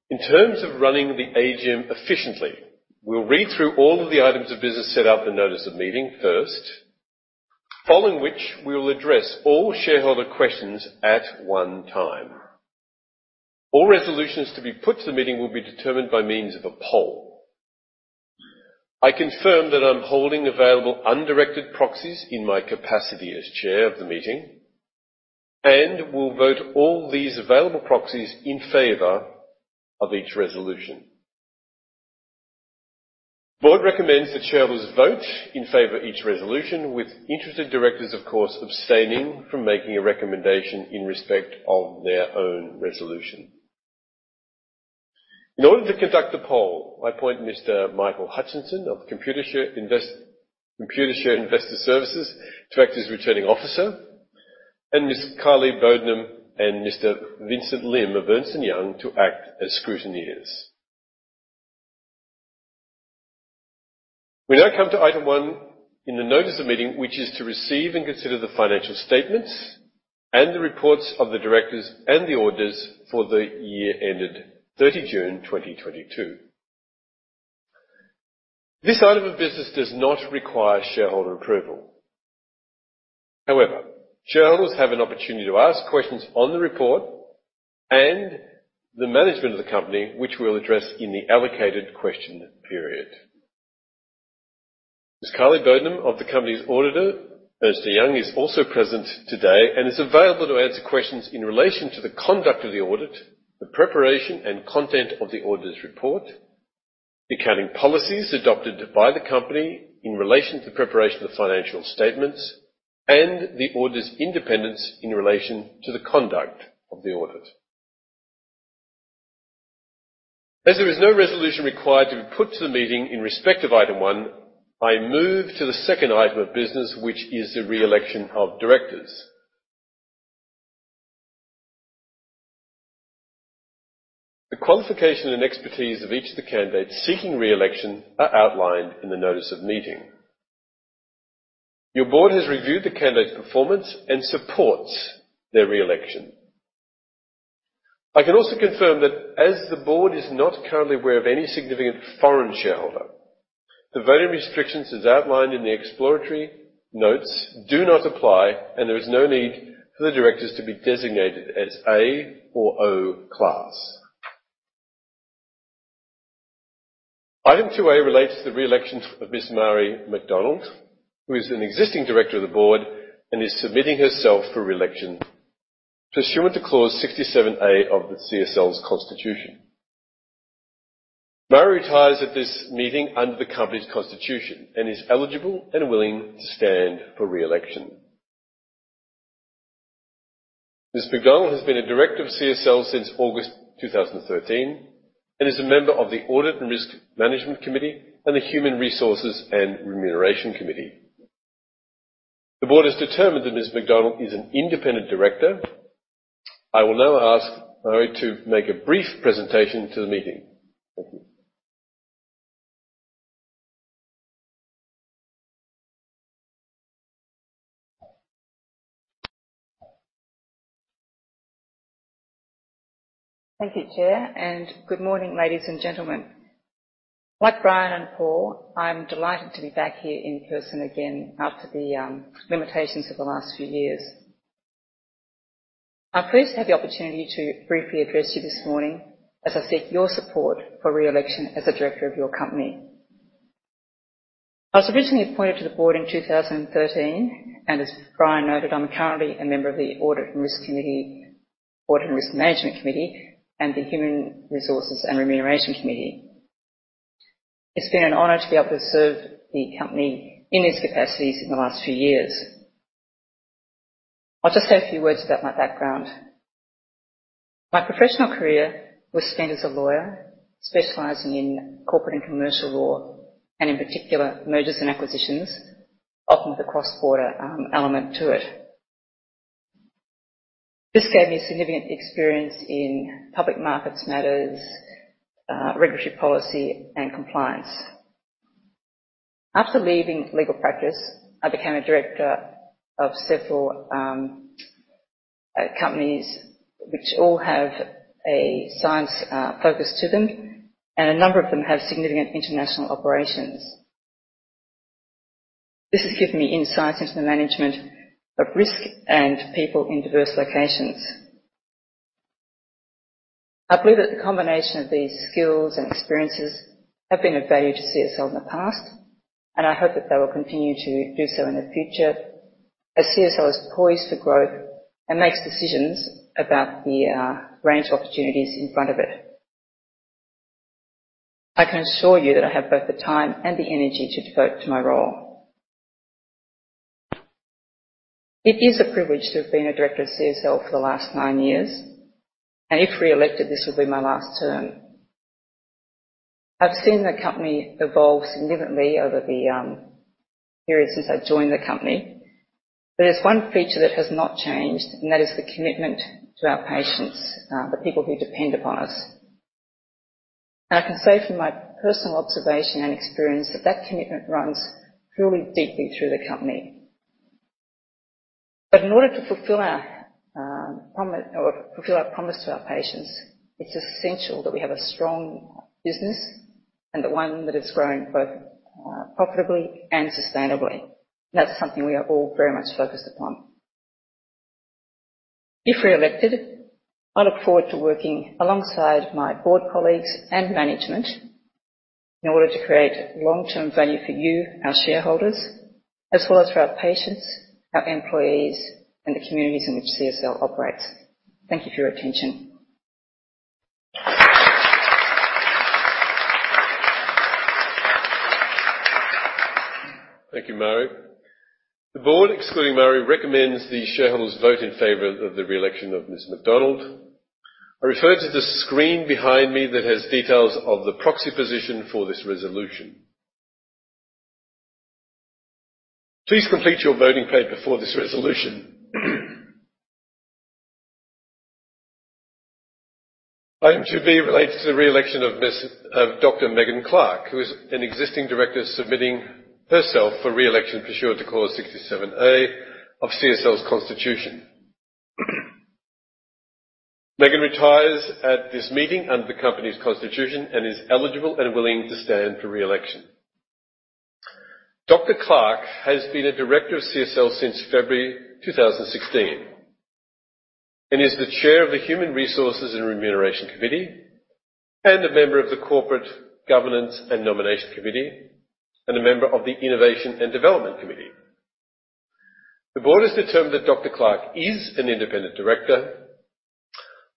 In terms of running the AGM efficiently, we'll read through all of the items of business set out in the notice of meeting first, following which we will address all shareholder questions at one time. All resolutions to be put to the meeting will be determined by means of a poll. I confirm that I'm holding available undirected proxies in my capacity as chair of the meeting, and will vote all these available proxies in favor of each resolution. The board recommends that shareholders vote in favor of each resolution with interested directors, of course, abstaining from making a recommendation in respect of their own resolution. In order to conduct the poll, I appoint Mr.Michael Hutchison of Computershare Investor Services to act as returning officer and Ms. Carly Bodnam and Mr. Vincent Lim of Ernst & Young to act as scrutineers. We now come to item one in the notice of meeting, which is to receive and consider the financial statements and the reports of the directors and the auditors for the year ended 30 June 2022. This item of business does not require shareholder approval. However, shareholders have an opportunity to ask questions on the report and the management of the company, which we'll address in the allocated question period. Ms. Carly Bodnam of the company's auditor, Ernst & Young, is also present today and is available to answer questions in relation to the conduct of the audit, the preparation and content of the auditor's report, the accounting policies adopted by the company in relation to the preparation of the financial statements, and the auditor's independence in relation to the conduct of the audit. There is no resolution required to be put to the meeting in respect of item one. I move to the second item of business, which is the reelection of directors. The qualification and expertise of each of the candidates seeking reelection are outlined in the notice of meeting. Your board has reviewed the candidates' performance and supports their reelection. I can also confirm that as the board is not currently aware of any significant foreign shareholder, the voting restrictions as outlined in the explanatory notes do not apply, and there is no need for the directors to be designated as A or O class. Item 2-A relates to the reelection of Ms. Marie McDonald, who is an existing director of the board and is submitting herself for reelection pursuant to Clause 67A of the CSL's constitution. Marie retires at this meeting under the company's constitution and is eligible and willing to stand for reelection. Ms. McDonald has been a director of CSL since August 2013, and is a member of the Audit and Risk Management Committee and the Human Resources and Remuneration Committee. The board has determined that Ms. McDonald is an independent director. I will now ask Marie to make a brief presentation to the meeting. Thank you. Thank you, Chair, and good morning, ladies and gentlemen. Like Brian and Paul, I'm delighted to be back here in person again after the limitations of the last few years. I'm pleased to have the opportunity to briefly address you this morning as I seek your support for reelection as a director of your company. I was originally appointed to the board in 2013, and as Brian noted, I'm currently a member of the Audit and Risk Management Committee and the Human Resources and Remuneration Committee. It's been an honor to be able to serve the company in these capacities in the last few years. I'll just say a few words about my background. My professional career was spent as a lawyer specializing in corporate and commercial law, and in particular mergers and acquisitions, often with a cross-border element to it. This gave me significant experience in public markets matters, regulatory policy and compliance. After leaving legal practice, I became a director of several companies which all have a science focus to them, and a number of them have significant international operations. This has given me insights into the management of risk and people in diverse locations. I believe that the combination of these skills and experiences have been of value to CSL in the past. I hope that they will continue to do so in the future. As CSL is poised for growth and makes decisions about the range of opportunities in front of it. I can assure you that I have both the time and the energy to devote to my role. It is a privilege to have been a director of CSL for the last nine years, and if reelected, this will be my last term. I've seen the company evolve significantly over the period since I joined the company. There's one feature that has not changed, and that is the commitment to our patients, the people who depend upon us. I can say from my personal observation and experience that that commitment runs truly deeply through the company. In order to fulfill our promise to our patients, it's essential that we have a strong business and one that is growing both profitably and sustainably. That's something we are all very much focused upon. If reelected, I look forward to working alongside my board colleagues and management in order to create long-term value for you, our shareholders, as well as for our patients, our employees, and the communities in which CSL operates. Thank you for your attention. Thank you, Marie. The board, excluding Marie, recommends the shareholders vote in favor of the reelection of Ms. McDonald. I refer to the screen behind me that has details of the proxy position for this resolution. Please complete your voting paper for this resolution. Item 2B relates to the reelection of Dr. Megan Clark, who is an existing director submitting herself for reelection pursuant to Clause 67A of CSL's constitution. Megan retires at this meeting under the company's constitution and is eligible and willing to stand for reelection. Dr. Clark has been a director of CSL since February 2016, and is the Chair of the Human Resources and Remuneration Committee, and a member of the Corporate Governance and Nomination Committee, and a member of the Innovation and Development Committee. The board has determined that Dr. Clarke is an independent director.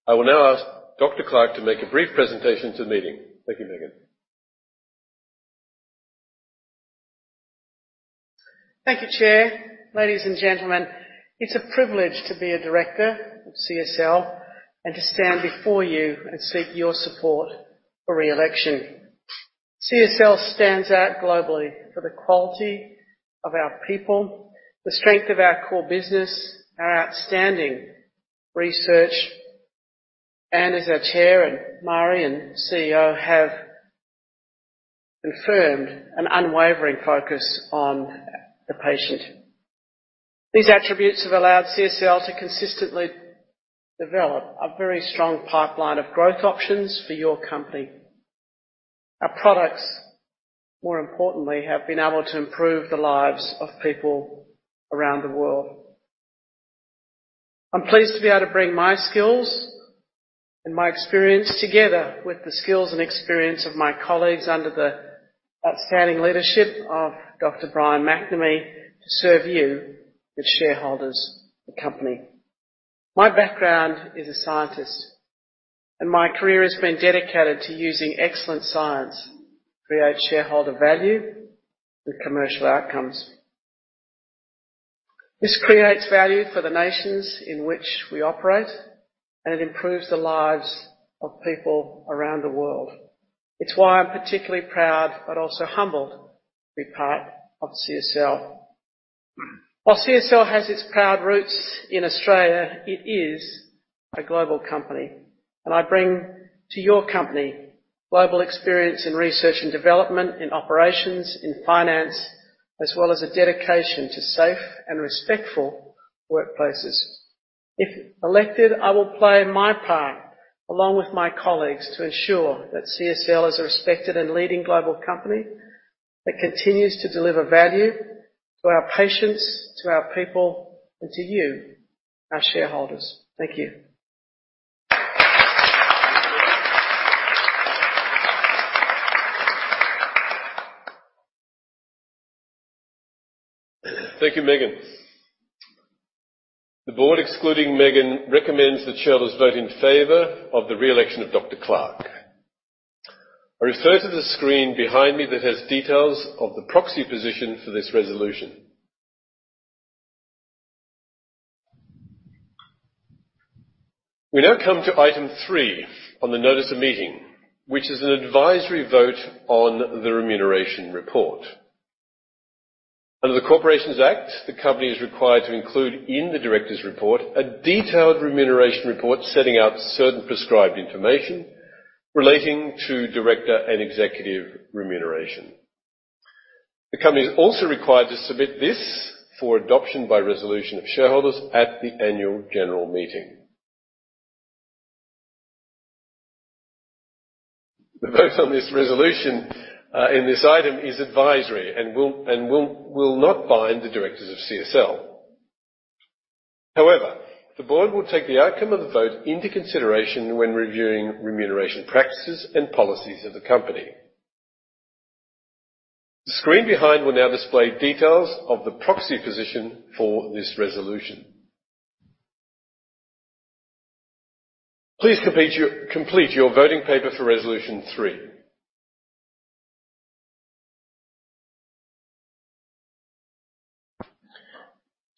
I will now ask Dr. Clark to make a brief presentation to the meeting. Thank you, Megan. Thank you, Chair. Ladies and gentlemen, it's a privilege to be a director of CSL and to stand before you and seek your support for reelection. CSL stands out globally for the quality of our people, the strength of our core business, our outstanding research, and as our Chair and Marie McDonald and CEO have confirmed, an unwavering focus on the patient. These attributes have allowed CSL to consistently develop a very strong pipeline of growth options for your company. Our products, more importantly, have been able to improve the lives of people around the world. I'm pleased to be able to bring my skills and my experience together with the skills and experience of my colleagues under the outstanding leadership of Dr. Brian McNamee to serve you, the shareholders of the company. My background is a scientist, and my career has been dedicated to using excellent science to create shareholder value with commercial outcomes. This creates value for the nations in which we operate, and it improves the lives of people around the world. It's why I'm particularly proud but also humbled to be part of CSL. While CSL has its proud roots in Australia, it is a global company, and I bring to your company global experience in research and development, in operations, in finance, as well as a dedication to safe and respectful workplaces. If elected, I will play my part along with my colleagues to ensure that CSL is a respected and leading global company that continues to deliver value to our patients, to our people, and to you, our shareholders. Thank you. Thank you, Megan. The board, excluding Megan, recommends that shareholders vote in favor of the reelection of Dr. Megan Clark. I refer to the screen behind me that has details of the proxy position for this resolution. We now come to item three on the notice of meeting, which is an advisory vote on the remuneration report. Under the Corporations Act, the company is required to include in the directors' report a detailed remuneration report setting out certain prescribed information relating to director and executive remuneration. The company is also required to submit this for adoption by resolution of shareholders at the annual general meeting. The vote on this resolution in this item is advisory and will not bind the directors of CSL. However, the board will take the outcome of the vote into consideration when reviewing remuneration practices and policies of the company. The screen behind will now display details of the proxy position for this resolution. Please complete your voting paper for resolution three.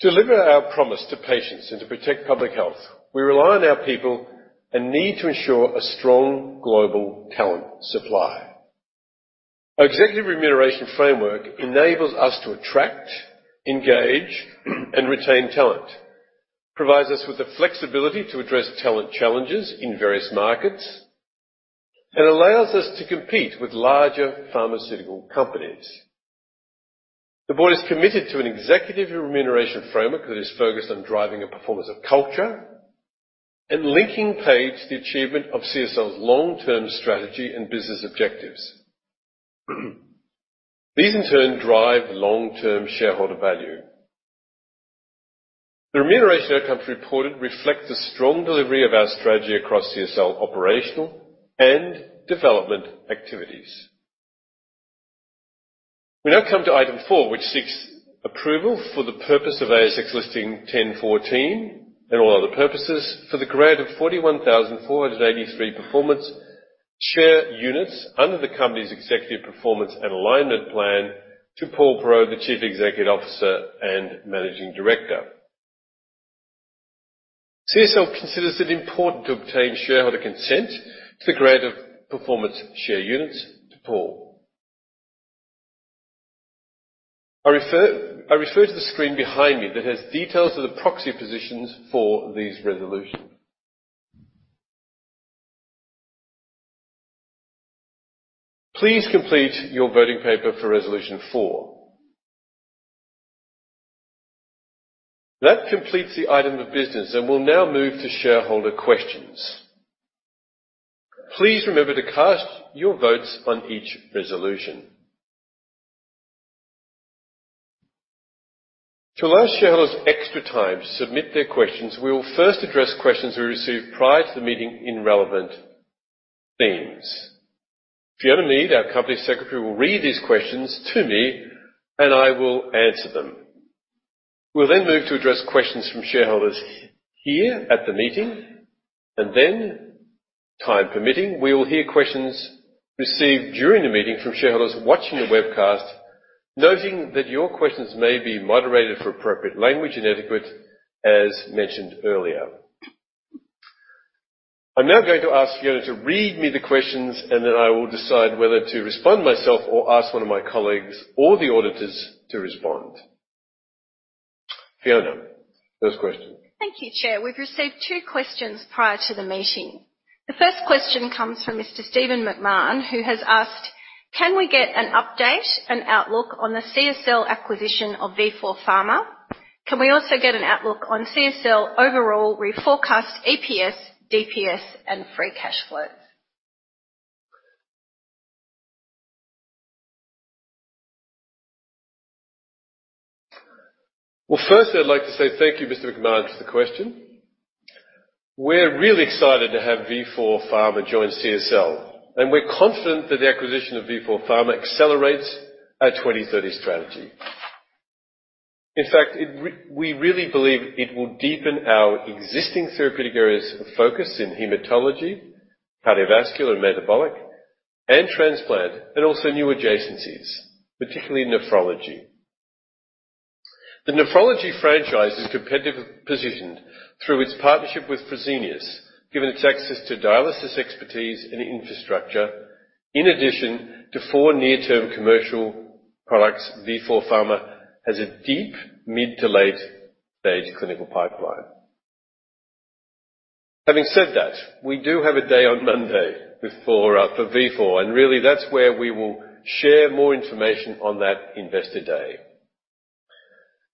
To deliver our promise to patients and to protect public health, we rely on our people and need to ensure a strong global talent supply. Our executive remuneration framework enables us to attract, engage, and retain talent, provides us with the flexibility to address talent challenges in various markets, and allows us to compete with larger pharmaceutical companies. The board is committed to an executive remuneration framework that is focused on driving a performance of culture and linking pay to the achievement of CSL's long-term strategy and business objectives. These in turn drive long-term shareholder value. The remuneration outcomes reported reflect the strong delivery of our strategy across CSL operational and development activities. We now come to item four, which seeks approval for the purpose of ASX Listing Rule 10.14 and all other purposes for the grant of 41,483 performance share units under the company's Executive Performance and Alignment Plan to Paul Perreault, the Executive Officer and Managing Director. CSL considers it important to obtain shareholder consent to the grant of performance share units to Paul. I refer to the screen behind me that has details of the proxy positions for these resolutions. Please complete your voting paper for resolution four. That completes the item of business, and we'll now move to shareholder questions. Please remember to cast your votes on each resolution. To allow shareholders extra time to submit their questions, we will first address questions we received prior to the meeting in relevant themes. Fiona Mead, our company secretary, will read these questions to me, and I will answer them. We'll then move to address questions from shareholders here at the meeting, and then, time permitting, we will hear questions received during the meeting from shareholders watching the webcast, noting that your questions may be moderated for appropriate language and etiquette as mentioned earlier. I'm now going to ask Fiona to read me the questions, and then I will decide whether to respond myself or ask one of my colleagues or the auditors to respond. Fiona, first question. Thank you, Chair. We've received two questions prior to the meeting. The first question comes from Mr. Stephen McMahon, who has asked, "Can we get an update and outlook on the CSL acquisition of Vifor Pharma? Can we also get an outlook on CSL overall reforecast EPS, DPS, and free cash flows? First I'd like to say thank you, Mr. McMahon, for the question. We're really excited to have Vifor Pharma join CSL, and we're confident that the acquisition of Vifor Pharma accelerates our 2030 strategy. In fact, we really believe it will deepen our existing therapeutic areas of focus in hematology, cardiovascular, metabolic and transplant, and also new adjacencies, particularly nephrology. The nephrology franchise is competitively positioned through its partnership with Fresenius, given its access to dialysis expertise and infrastructure. In addition to four near-term commercial products, Vifor Pharma has a deep mid- to late-stage clinical pipeline. Having said that, we do have a day on Monday with Vifor for Vifor, and really that's where we will share more information on that investor day.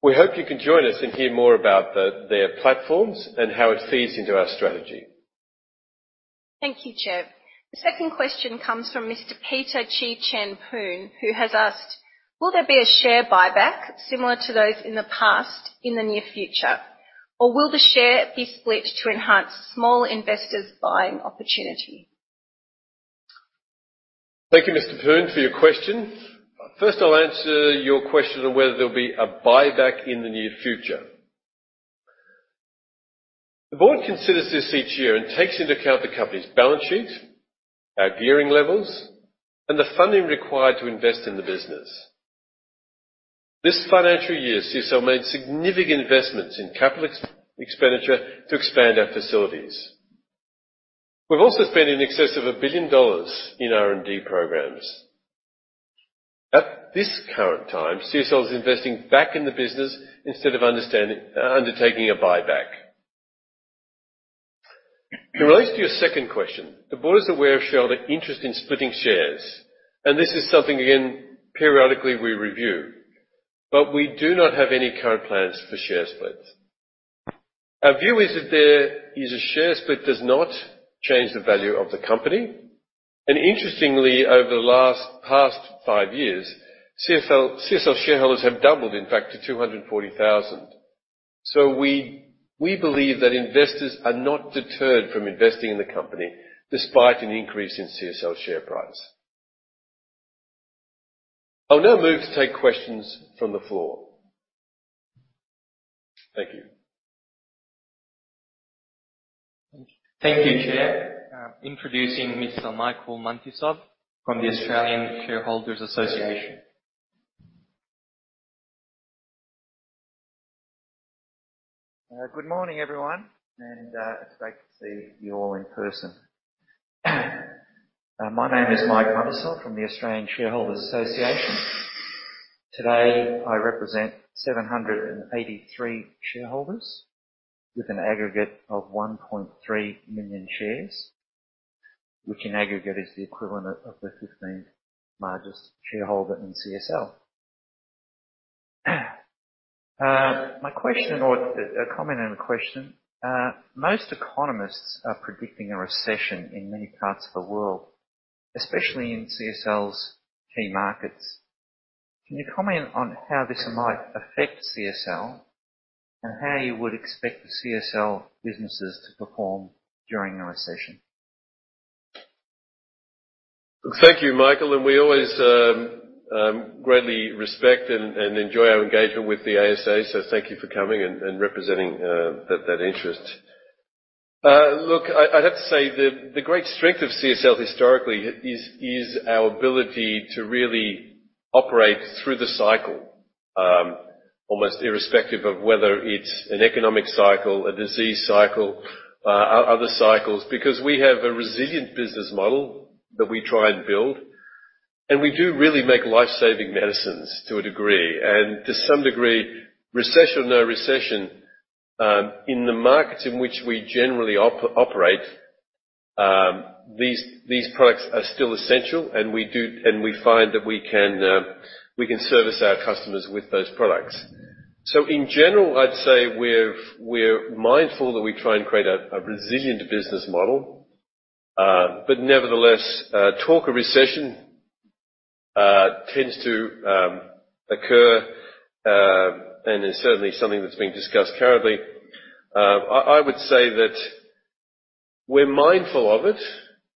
We hope you can join us and hear more about their platforms and how it feeds into our strategy. Thank you, Chair. The second question comes from Mr. Peter Chi Chen Poon, who has asked, "Will there be a share buyback similar to those in the past, in the near future, or will the share be split to enhance small investors' buying opportunity? Thank you, Mr. Poon, for your question. First, I'll answer your question on whether there'll be a buyback in the near future. The board considers this each year and takes into account the company's balance sheet, our gearing levels, and the funding required to invest in the business. This financial year, CSL made significant investments in capital expenditure to expand our facilities. We've also spent in excess of $1 billion in R&D programs. At this current time, CSL is investing back in the business instead of undertaking a buyback. In relation to your second question, the board is aware of shareholder interest in splitting shares, and this is something, again, periodically we review, but we do not have any current plans for share splits. Our view is that the use of share split does not change the value of the company. Interestingly, over the past five years, CSL shareholders have doubled in fact to 240,000. We believe that investors are not deterred from investing in the company despite an increase in CSL share price. I'll now move to take questions from the floor. Thank you. Thank you, Chair. Introducing Mr. Michael Muntisov from the Australian Shareholders' Association. Good morning, everyone, and it's great to see you all in person. My name is Mike Montisov from the Australian Shareholders' Association. Today, I represent 783 shareholders with an aggregate of 1.3 million shares, which in aggregate is the equivalent of the sixteenth largest shareholder in CSL. My question or a comment and a question. Most economists are predicting a recession in many parts of the world, especially in CSL's key markets. Can you comment on how this might affect CSL and how you would expect the CSL businesses to perform during a recession? Thank you, Michael, and we always greatly respect and enjoy our engagement with the ASA. Thank you for coming and representing that interest. Look, I'd have to say the great strength of CSL historically is our ability to really operate through the cycle. Almost irrespective of whether it's an economic cycle, a disease cycle, other cycles, because we have a resilient business model that we try and build, and we do really make life-saving medicines to a degree and to some degree, recession or no recession, in the markets in which we generally operate, these products are still essential, and we find that we can service our customers with those products. In general, I'd say we're mindful that we try and create a resilient business model. Nevertheless, talk of recession tends to occur and is certainly something that's being discussed currently. I would say that we're mindful of it.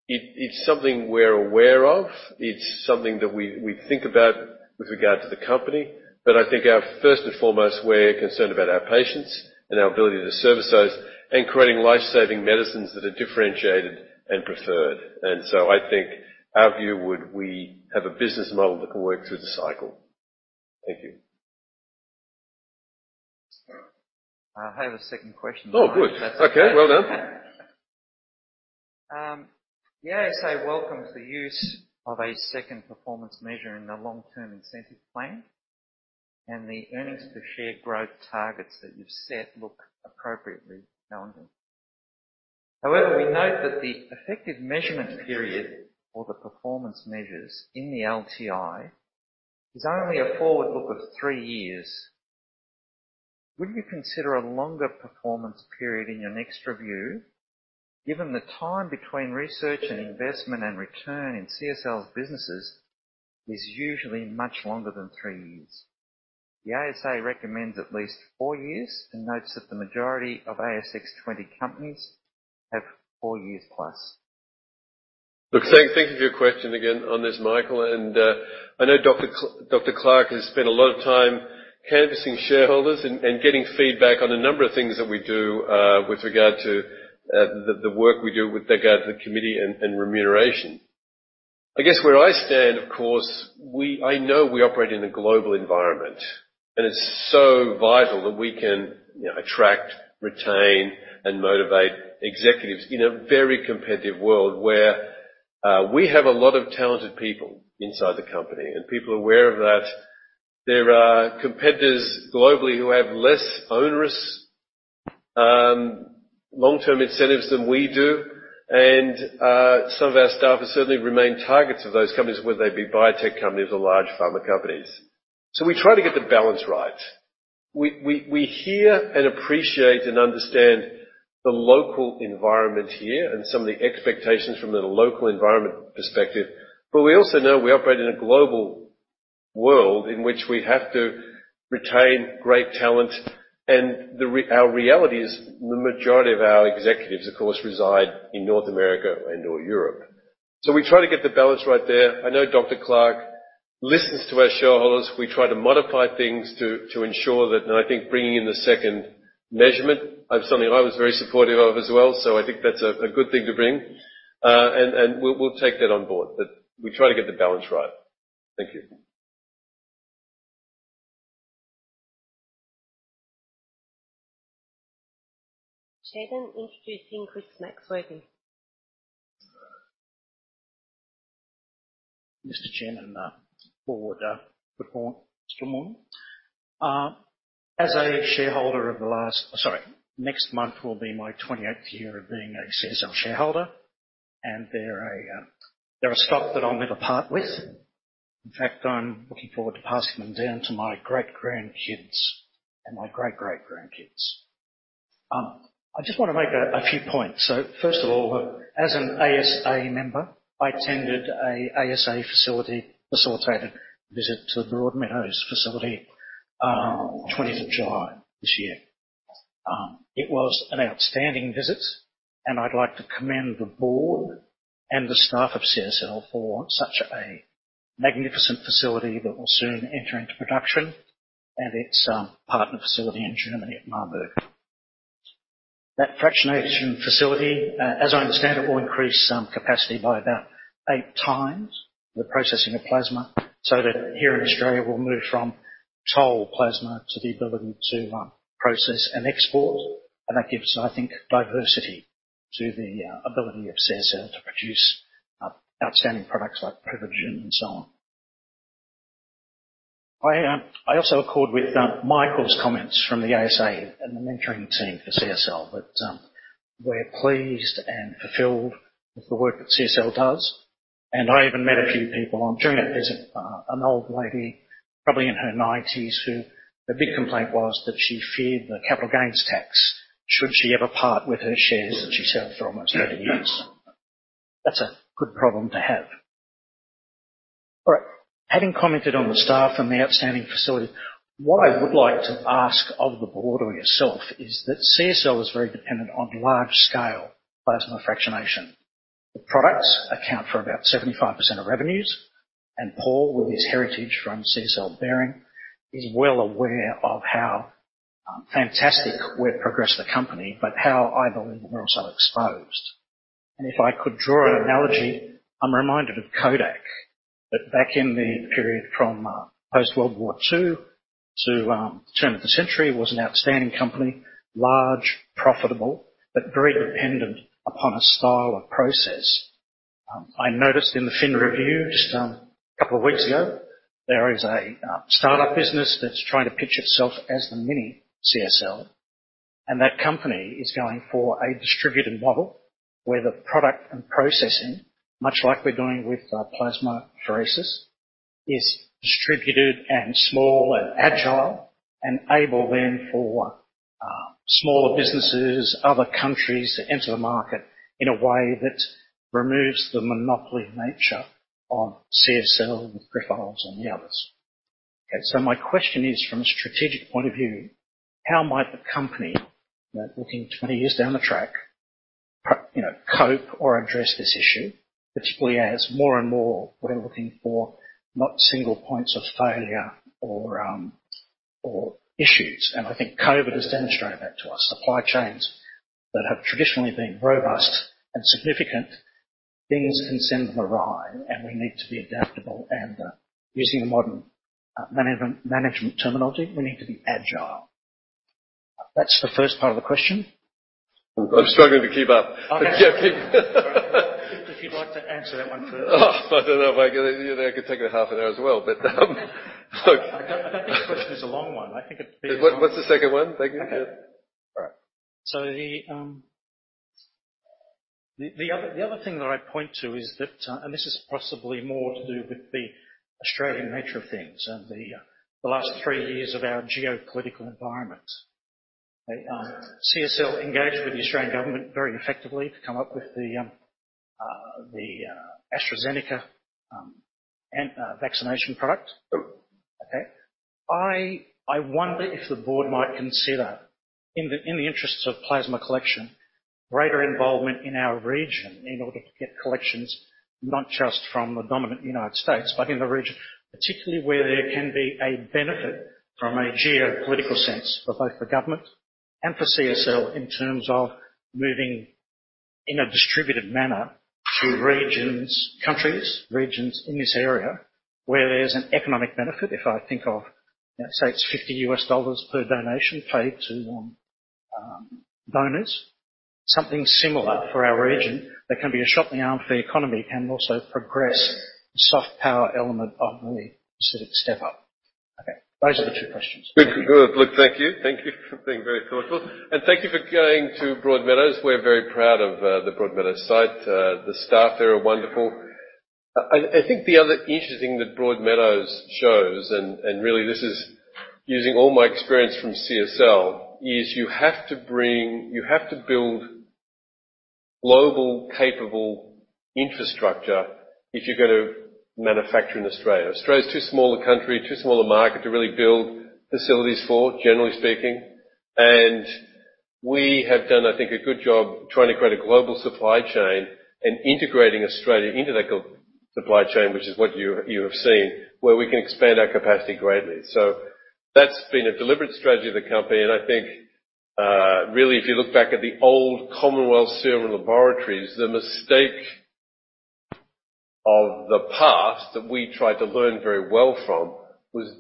It's something we're aware of. It's something that we think about with regard to the company. I think our first and foremost, we're concerned about our patients and our ability to service those and creating life-saving medicines that are differentiated and preferred. I think our view would we have a business model that can work through the cycle. Thank you. I have a second question. Oh, good. Okay. Well done. The ASA welcomes the use of a second performance measure in the long-term incentive plan and the earnings per share growth targets that you've set look appropriately challenging. However, we note that the effective measurement period or the performance measures in the LTI is only a forward look of three years. Would you consider a longer performance period in your next review, given the time between research and investment and return in CSL's businesses is usually much longer than three years? The ASA recommends at least four years and notes that the majority of ASX 20 companies have four years plus. Look, thank you for your question again on this, Michael. I know Dr. Clark has spent a lot of time canvassing shareholders and getting feedback on a number of things that we do with regard to the work we do with regard to the committee and remuneration. I guess where I stand, of course, I know we operate in a global environment, and it's so vital that we can, you know, attract, retain, and motivate executives in a very competitive world where we have a lot of talented people inside the company. People are aware of that. There are competitors globally who have less onerous long-term incentives than we do. Some of our staff have certainly remained targets of those companies, whether they be biotech companies or large pharma companies. We try to get the balance right. We hear and appreciate and understand the local environment here and some of the expectations from the local environment perspective. We also know we operate in a global world in which we have to retain great talent. Our reality is the majority of our executives, of course, reside in North America and/or Europe. We try to get the balance right there. I know Dr. Clark listens to our shareholders. We try to modify things to ensure that. I think bringing in the second measurement of something I was very supportive of as well. I think that's a good thing to bring. We'll take that on board. We try to get the balance right. Thank you. Chairman introducing Chris Maxwell. Mr. Chairman, board, good morning. As a shareholder of the last... Sorry, next month will be my 28th year of being a CSL shareholder, and they're a stock that I'll never part with. In fact, I'm looking forward to passing them down to my great-grandkids and my great-great-grandkids. I just wanna make a few points. First of all, as an ASA member, I attended an ASA-facilitated visit to the Broadmeadows facility, 20th of July this year. It was an outstanding visit, and I'd like to commend the board and the staff of CSL for such a magnificent facility that will soon enter into production and its partner facility in Germany at Marburg. That fractionation facility, as I understand it, will increase capacity by about eight times the processing of plasma, so that here in Australia, we'll move from toll plasma to the ability to process and export. That gives, I think, diversity to the ability of CSL to produce outstanding products like PRIVIGEN and so on. I also accord with Michael's comments from the ASA and the management team for CSL that we're pleased and fulfilled with the work that CSL does. I even met a few people during that visit, an old lady, probably in her 90s, whose big complaint was that she feared the capital gains tax should she ever part with her shares that she's held for almost 30 years. That's a good problem to have. All right. Having commented on the staff and the outstanding facility, what I would like to ask of the board or yourself is that CSL is very dependent on large-scale plasma fractionation. The products account for about 75% of revenues, and Paul, with his heritage from CSL Behring, is well aware of how fantastic we've progressed the company, but how I believe we're also exposed. If I could draw an analogy, I'm reminded of Kodak, that back in the period from post-World War II to turn of the century, was an outstanding company, large, profitable, but very dependent upon a style of process. I noticed in the Fin Review just a couple of weeks ago, there is a startup business that's trying to pitch itself as the mini CSL, and that company is going for a distributed model where the product and processing, much like we're doing with plasmapheresis, is distributed and small and agile and able then for smaller businesses, other countries to enter the market in a way that removes the monopoly nature of CSL with Grifols and the others. Okay, so my question is, from a strategic point of view, how might the company, you know, looking 20 years down the track, you know, cope or address this issue, particularly as more and more we're looking for not single points of failure or issues. I think COVID has demonstrated that to us. Supply chains that have traditionally been robust and significant, things can send them awry, and we need to be adaptable and, using the modern, management terminology, we need to be agile. That's the first part of the question. I'm struggling to keep up. If you'd like to answer that one first. Oh, I don't know if I could. You know, that could take half an hour as well, but. I don't think the question is a long one. I think it's fairly. What's the second one? Thank you. Yeah. Okay. All right. The other thing that I'd point to is that, and this is possibly more to do with the Australian nature of things and the last three years of our geopolitical environment. CSL engaged with the Australian government very effectively to come up with the AstraZeneca and vaccination product. Okay. I wonder if the board might consider in the interests of plasma collection, greater involvement in our region in order to get collections, not just from the dominant United States, but in the region, particularly where there can be a benefit from a geopolitical sense for both the government and for CSL in terms of moving in a distributed manner to regions, countries, regions in this area where there's an economic benefit. If I think of, you know, say it's $50 per donation paid to donors, something similar for our region that can be a shot in the arm for the economy and also progress the soft power element of the Pacific Step Up. Okay. Those are the two questions. Good. Look, thank you. Thank you for being very thoughtful. Thank you for going to Broadmeadows. We're very proud of the Broadmeadows site. The staff there are wonderful. I think the other interesting that Broadmeadows shows, really this is using all my experience from CSL, is you have to build global capable infrastructure if you're gonna manufacture in Australia. Australia is too small a country, too small a market to really build facilities for, generally speaking. We have done, I think, a good job trying to create a global supply chain and integrating Australia into that supply chain, which is what you have seen, where we can expand our capacity greatly. That's been a deliberate strategy of the company, and I think really, if you look back at the old Commonwealth Serum Laboratories, the mistake of the past that we tried to learn very well from was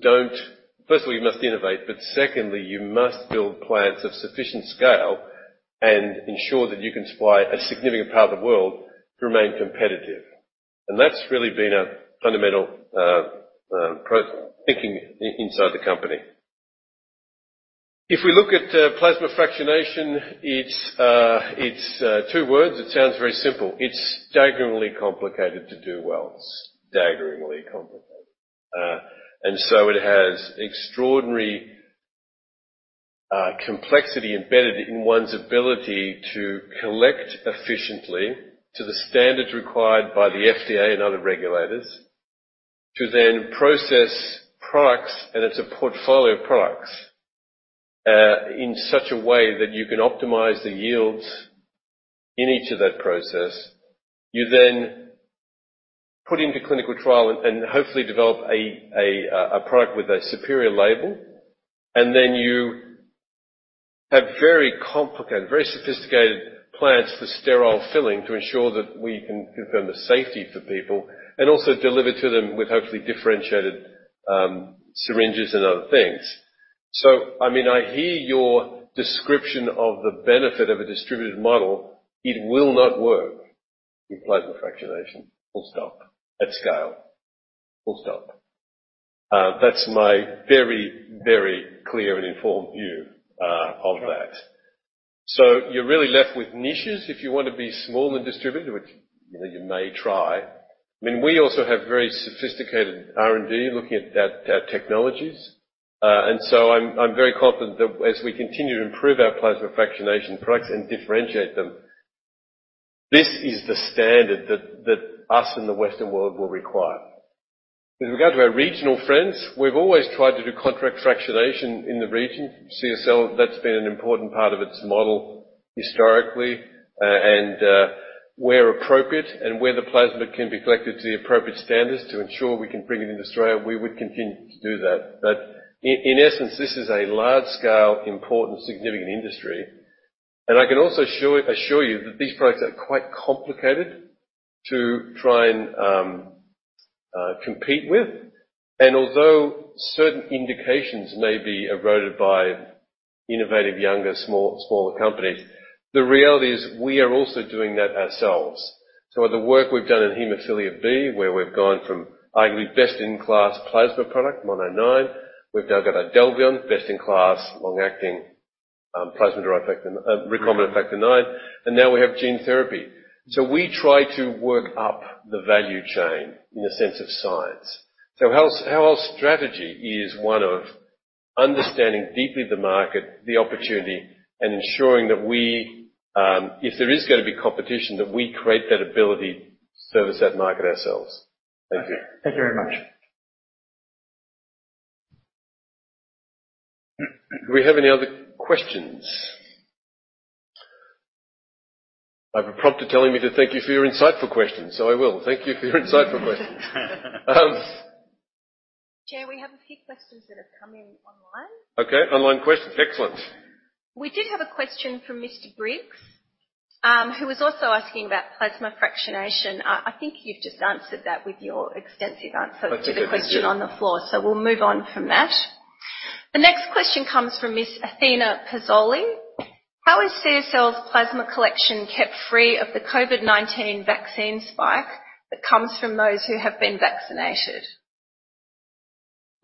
firstly, you must innovate, but secondly, you must build plants of sufficient scale and ensure that you can supply a significant part of the world to remain competitive. That's really been a fundamental thinking inside the company. If we look at plasma fractionation, it's two words. It sounds very simple. It's staggeringly complicated to do well. It's staggeringly complicated, and so it has extraordinary complexity embedded in one's ability to collect efficiently to the standards required by the FDA and other regulators to then process products, and it's a portfolio of products in such a way that you can optimize the yields in each of that process. You then put into clinical trial and hopefully develop a product with a superior label. Then you have very complicated, very sophisticated plans for sterile filling to ensure that we can confirm the safety for people and also deliver to them with hopefully differentiated syringes and other things. I mean, I hear your description of the benefit of a distributed model. It will not work in plasma fractionation. Full stop. At scale. Full stop. That's my very clear and informed view of that. You're really left with niches if you wanna be small and distributed, which, you know, you may try. I mean, we also have very sophisticated R&D looking at that, technologies. I'm very confident that as we continue to improve our plasma fractionation products and differentiate them, this is the standard that us in the Western world will require. With regard to our regional friends, we've always tried to do contract fractionation in the region. CSL, that's been an important part of its model historically. Where appropriate and where the plasma can be collected to the appropriate standards to ensure we can bring it into Australia, we would continue to do that. In essence, this is a large scale, important, significant industry. I can also assure you that these products are quite complicated to try and compete with. Although certain indications may be eroded by innovative, younger, small, smaller companies, the reality is we are also doing that ourselves. The work we've done in hemophilia B, where we've gone from arguably best in class plasma product, MONONINE. We've now got IDELVION best in class, long-acting, plasma derivative factor, recombinant factor nine, and now we have gene therapy. We try to work up the value chain in the sense of science. Our strategy is one of understanding deeply the market, the opportunity, and ensuring that we, if there is gonna be competition, that we create that ability to service that market ourselves. Thank you. Thank you very much. Do we have any other questions? I have a prompter telling me to thank you for your insightful questions, so I will. Thank you for your insightful questions. Chair, we have a few questions that have come in online. Okay. Online questions. Excellent. We did have a question from Mr. Briggs, who was also asking about plasma fractionation. I think you've just answered that with your extensive answer. Okay. Thank you. To the question on the floor, so we'll move on from that. The next question comes from Miss Athena Pazzoli. How is CSL's plasma collection kept free of the COVID-19 vaccine spike that comes from those who have been vaccinated?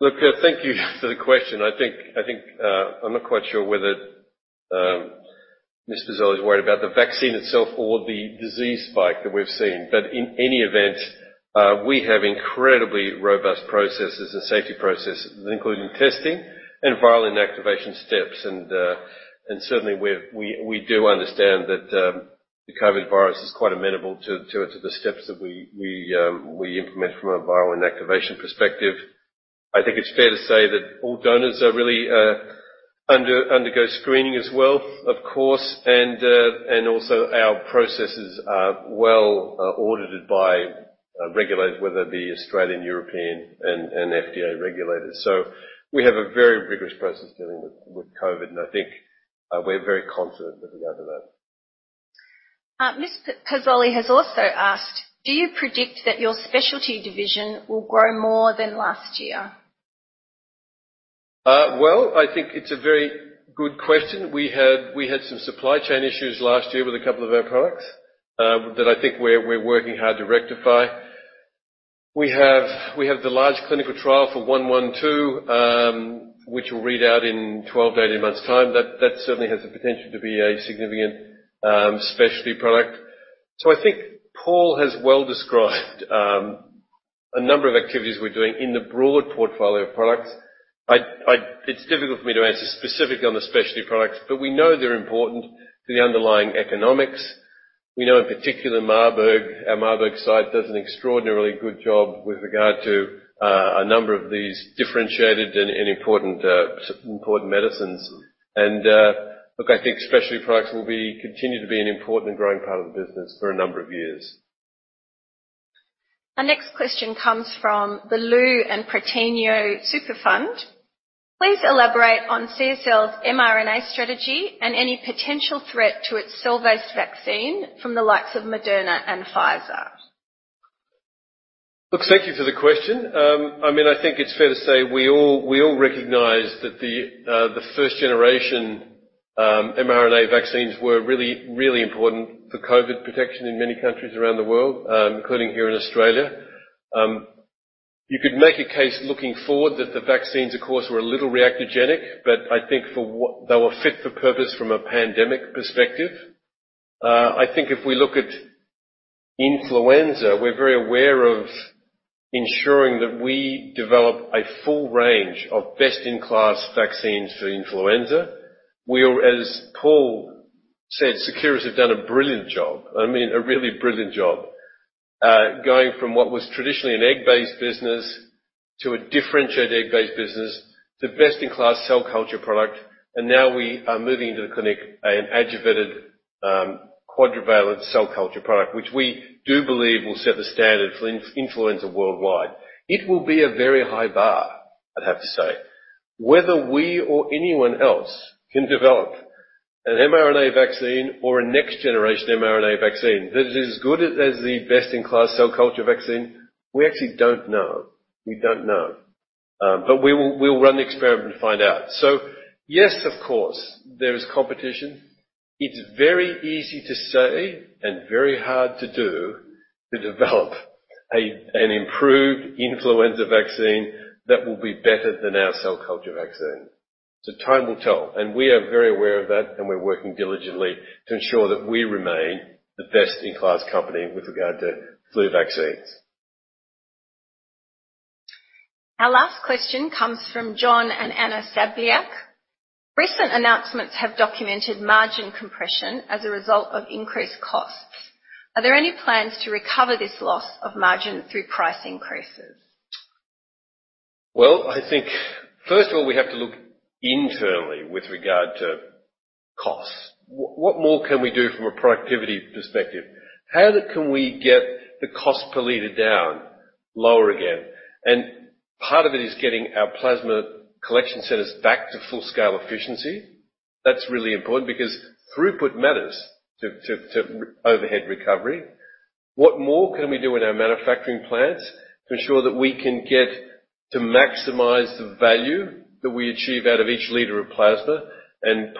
Look, thank you for the question. I think I'm not quite sure whether Ms. Pazzoli is worried about the vaccine itself or the disease spike that we've seen. In any event, we have incredibly robust processes and safety processes, including testing and viral inactivation steps. Certainly we do understand that the COVID virus is quite amenable to the steps that we implement from a viral inactivation perspective. I think it's fair to say that all donors really undergo screening as well, of course, and also our processes are well audited by regulators, whether it be Australian, European, and FDA regulators. We have a very rigorous process dealing with COVID, and I think we're very confident with regard to that. Ms. Athena Pazzoli has also asked, do you predict that your specialty division will grow more than last year? I think it's a very good question. We had some supply chain issues last year with a couple of our products that I think we're working hard to rectify. We have the large clinical trial for 112, which will read out in 12-18 months' time. That certainly has the potential to be a significant specialty product. I think Paul has well described a number of activities we're doing in the broad portfolio of products. It's difficult for me to answer specifically on the specialty products, but we know they're important to the underlying economics. We know in particular Marburg, our Marburg site, does an extraordinarily good job with regard to a number of these differentiated and important medicines. Look, I think specialty products will continue to be an important and growing part of the business for a number of years. Our next question comes from the Lu and Proteneo Superfund. Please elaborate on CSL's mRNA strategy and any potential threat to its cell-based vaccine from the likes of Moderna and Pfizer? Look, thank you for the question. I mean, I think it's fair to say we all recognize that the first generation mRNA vaccines were really important for COVID protection in many countries around the world, including here in Australia. You could make a case looking forward that the vaccines, of course, were a little reactogenic, but I think for what. They were fit for purpose from a pandemic perspective. I think if we look at influenza, we're very aware of ensuring that we develop a full range of best-in-class vaccines for influenza. As Paul said, Seqirus have done a brilliant job. I mean, a really brilliant job, going from what was traditionally an egg-based business to a differentiated egg-based business, to best-in-class cell culture product. Now we are moving into the clinic an adjuvanted quadrivalent cell culture product which we do believe will set the standard for influenza worldwide. It will be a very high bar, I'd have to say. Whether we or anyone else can develop an mRNA vaccine or a next-generation mRNA vaccine that is as good as the best-in-class cell culture vaccine, we actually don't know. We don't know. But we will run the experiment to find out. Yes, of course, there is competition. It's very easy to say and very hard to do, to develop an improved influenza vaccine that will be better than our cell culture vaccine. Time will tell, and we are very aware of that, and we're working diligently to ensure that we remain the best-in-class company with regard to flu vaccines. Our last question comes from John and Anna Sabiak. Recent announcements have documented margin compression as a result of increased costs. Are there any plans to recover this loss of margin through price increases? Well, I think first of all, we have to look internally with regard to costs. What more can we do from a productivity perspective? How can we get the cost per liter down lower again? Part of it is getting our plasma collection centers back to full scale efficiency. That's really important because throughput matters to overhead recovery. What more can we do in our manufacturing plants to ensure that we can get to maximize the value that we achieve out of each liter of plasma?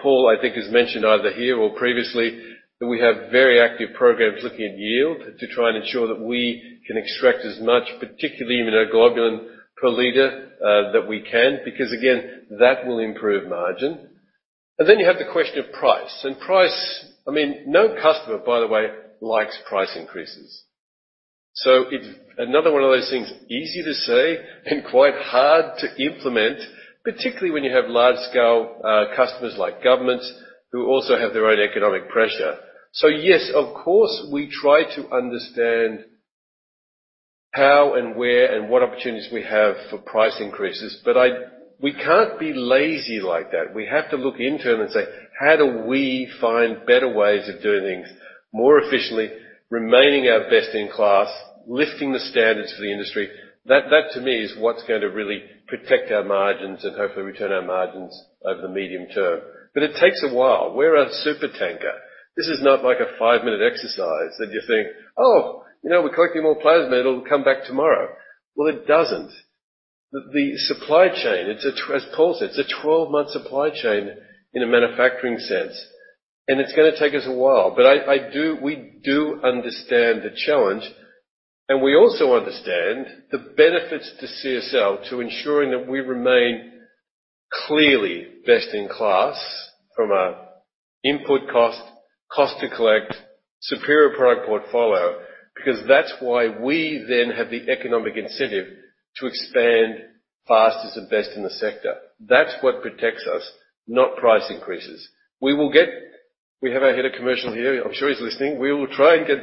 Paul, I think, has mentioned either here or previously, that we have very active programs looking at yield to try and ensure that we can extract as much, particularly immunoglobulin per liter, that we can, because again, that will improve margin. Then you have the question of price. Price. I mean, no customer, by the way, likes price increases. So it's another one of those things, easy to say and quite hard to implement, particularly when you have large scale customers like governments who also have their own economic pressure. So yes, of course, we try to understand how and where, and what opportunities we have for price increases. But we can't be lazy like that. We have to look internal and say, "How do we find better ways of doing things more efficiently, remaining our best in class, lifting the standards for the industry?" That to me is what's going to really protect our margins and hopefully return our margins over the medium term. But it takes a while. We're a supertanker. This is not like a five-minute exercise, and you think, "Oh, you know, we're collecting more plasma, it'll come back tomorrow." Well, it doesn't. The supply chain, as Paul said, it's a 12-month supply chain in a manufacturing sense, and it's gonna take us a while. We do understand the challenge, and we also understand the benefits to CSL to ensuring that we remain clearly best in class from a input cost to collect, superior product portfolio, because that's why we then have the economic incentive to expand fastest and best in the sector. That's what protects us, not price increases. We have our head of commercial here. I'm sure he's listening. We will try and get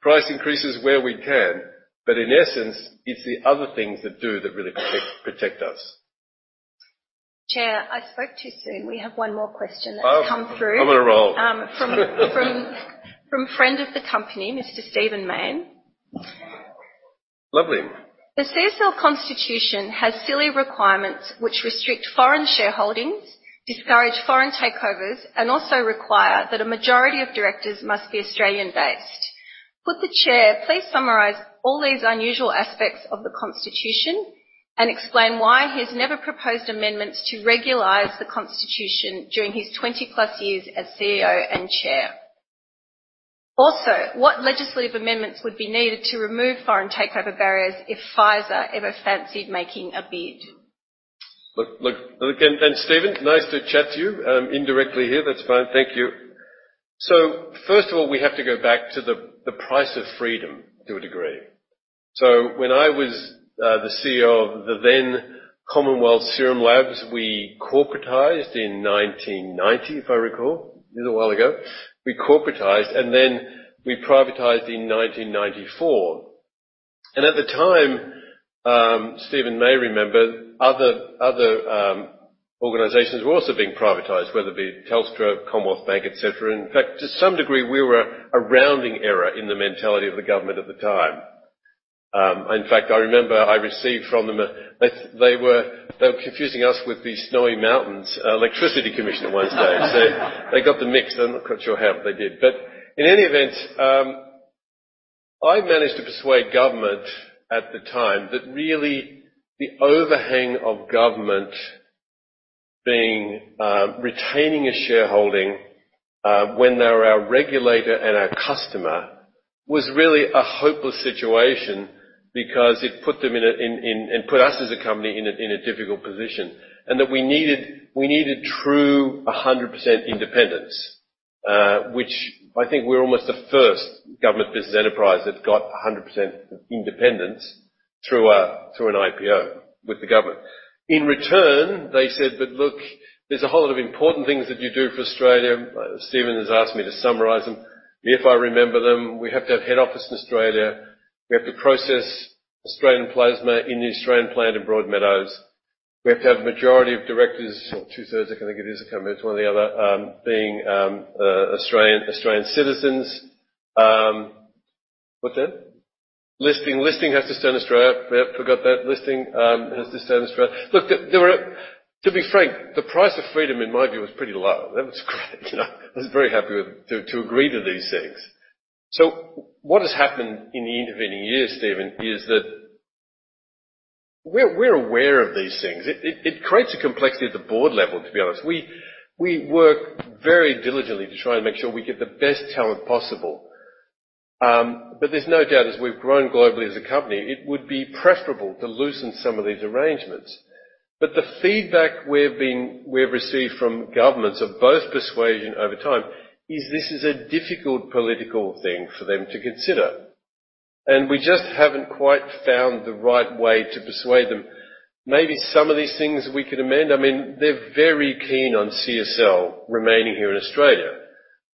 price increases where we can, but in essence, it's the other things that do that really protect us. Chair, I spoke too soon. We have one more question that's come through. Oh. I'm on a roll. From friend of the company, Mr. Stephen Mayne. Lovely. The CSL constitution has silly requirements which restrict foreign shareholdings, discourage foreign takeovers, and also require that a majority of directors must be Australian-based. Would the chair please summarize all these unusual aspects of the Constitution and explain why he has never proposed amendments to regularize the Constitution during his 20-plus years as CEO and chair? Also, what legislative amendments would be needed to remove foreign takeover barriers if Pfizer ever fancied making a bid? Look, and Stephen Mayne, nice to chat to you, indirectly here. That's fine. Thank you. First of all, we have to go back to the price of freedom to a degree. When I was the CEO of the then Commonwealth Serum Laboratories, we corporatized in 1990, if I recall. It was a while ago. We corporatized, and then we privatized in 1994. At the time, Stephen Mayne may remember, other organizations were also being privatized, whether it be Telstra, Commonwealth Bank, et cetera. In fact, to some degree, we were a rounding error in the mentality of the government at the time. In fact, I remember they were confusing us with the Snowy Mountains Hydro-electric Authority one day. They got them mixed. I'm not quite sure how they did. In any event, I managed to persuade government at the time that really the overhang of government being retaining a shareholding when they were our regulator and our customer, was really a hopeless situation because it put them in a and put us as a company in a difficult position, and that we needed true 100% independence, which I think we're almost the first government business enterprise that got 100% independence through an IPO with the government. In return, they said, "But look, there's a whole lot of important things that you do for Australia." Steven has asked me to summarize them if I remember them. We have to have head office in Australia. We have to process Australian plasma in the Australian plant in Broadmeadows. We have to have majority of directors, or two-thirds, I can't think of who's come in, it's one or the other, being Australian citizens. What's that? Listing. Listing has to stay in Australia. Yep, forgot that. Listing has to stay in Australia. Look, to be frank, the price of freedom in my view was pretty low. That was great. You know, I was very happy to agree to these things. What has happened in the intervening years, Stephen, is that we're aware of these things. It creates a complexity at the board level, to be honest. We work very diligently to try and make sure we get the best talent possible. But there's no doubt, as we've grown globally as a company, it would be preferable to loosen some of these arrangements. The feedback we've received from governments of both persuasion over time is this is a difficult political thing for them to consider, and we just haven't quite found the right way to persuade them. Maybe some of these things we could amend. I mean, they're very keen on CSL remaining here in Australia.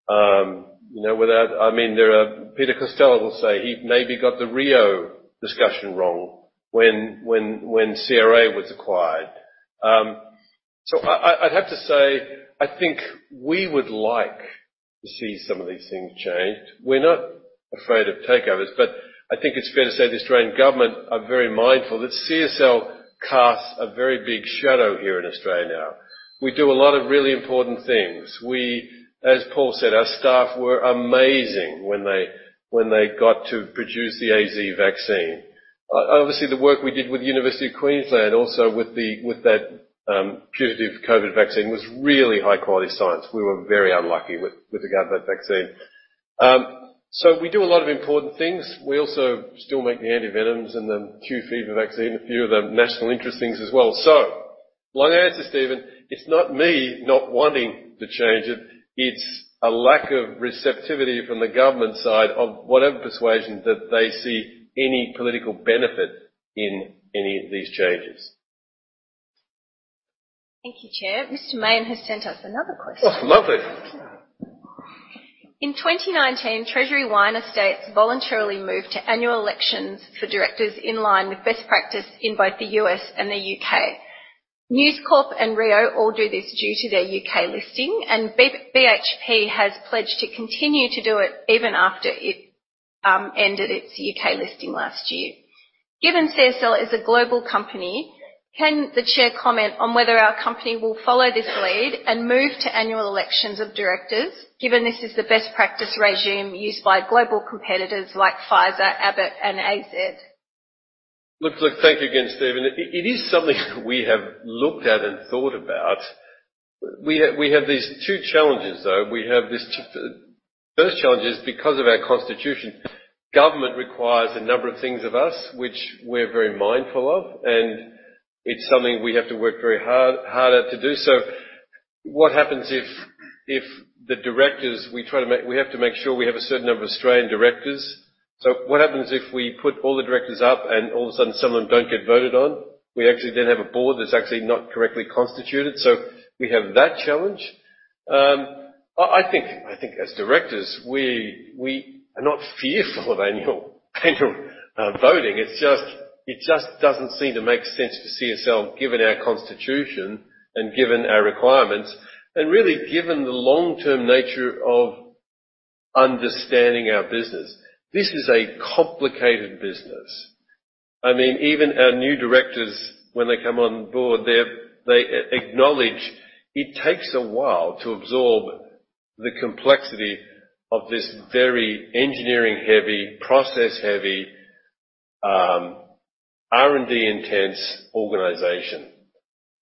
You know, I mean, there are Peter Costello will say he maybe got the Rio discussion wrong when CRA was acquired. So I'd have to say, I think we would like to see some of these things changed. We're not afraid of takeovers, but I think it's fair to say the Australian government are very mindful that CSL casts a very big shadow here in Australia now. We do a lot of really important things. As Paul said, our staff were amazing when they got to produce the AZ vaccine. Obviously, the work we did with the University of Queensland, also with that putative COVID vaccine was really high-quality science. We were very unlucky with regard to that vaccine. We do a lot of important things. We also still make the antivenoms and the Q fever vaccine, a few of the national interest things as well. Long answer, Steven, it's not me not wanting to change it. It's a lack of receptivity from the government side of whatever persuasion that they see any political benefit in any of these changes. Thank you, Chair. Mr. Mayne has sent us another question. Oh, lovely. In 2019, Treasury Wine Estates voluntarily moved to annual elections for directors in line with best practice in both the U.S. and the U.K. News Corp and Rio Tinto all do this due to their U.K. listing, and BHP has pledged to continue to do it even after it ended its U.K. listing last year. Given CSL is a global company, can the chair comment on whether our company will follow this lead and move to annual elections of directors, given this is the best practice regime used by global competitors like Pfizer, Abbott and AZ? Look, thank you again, Stephen. It is something we have looked at and thought about. We have these two challenges, though. We have this. First challenge is because of our constitution, government requires a number of things of us, which we're very mindful of, and it's something we have to work very hard to do so. What happens if the directors. We have to make sure we have a certain number of Australian directors. What happens if we put all the directors up and all of a sudden some of them don't get voted on? We actually then have a board that's actually not correctly constituted. We have that challenge. I think as directors, we are not fearful of annual voting. It just doesn't seem to make sense to CSL, given our constitution and given our requirements, and really, given the long-term nature of understanding our business. This is a complicated business. I mean, even our new directors, when they come on board, they acknowledge it takes a while to absorb the complexity of this very engineering-heavy, process-heavy, R&D intense organization.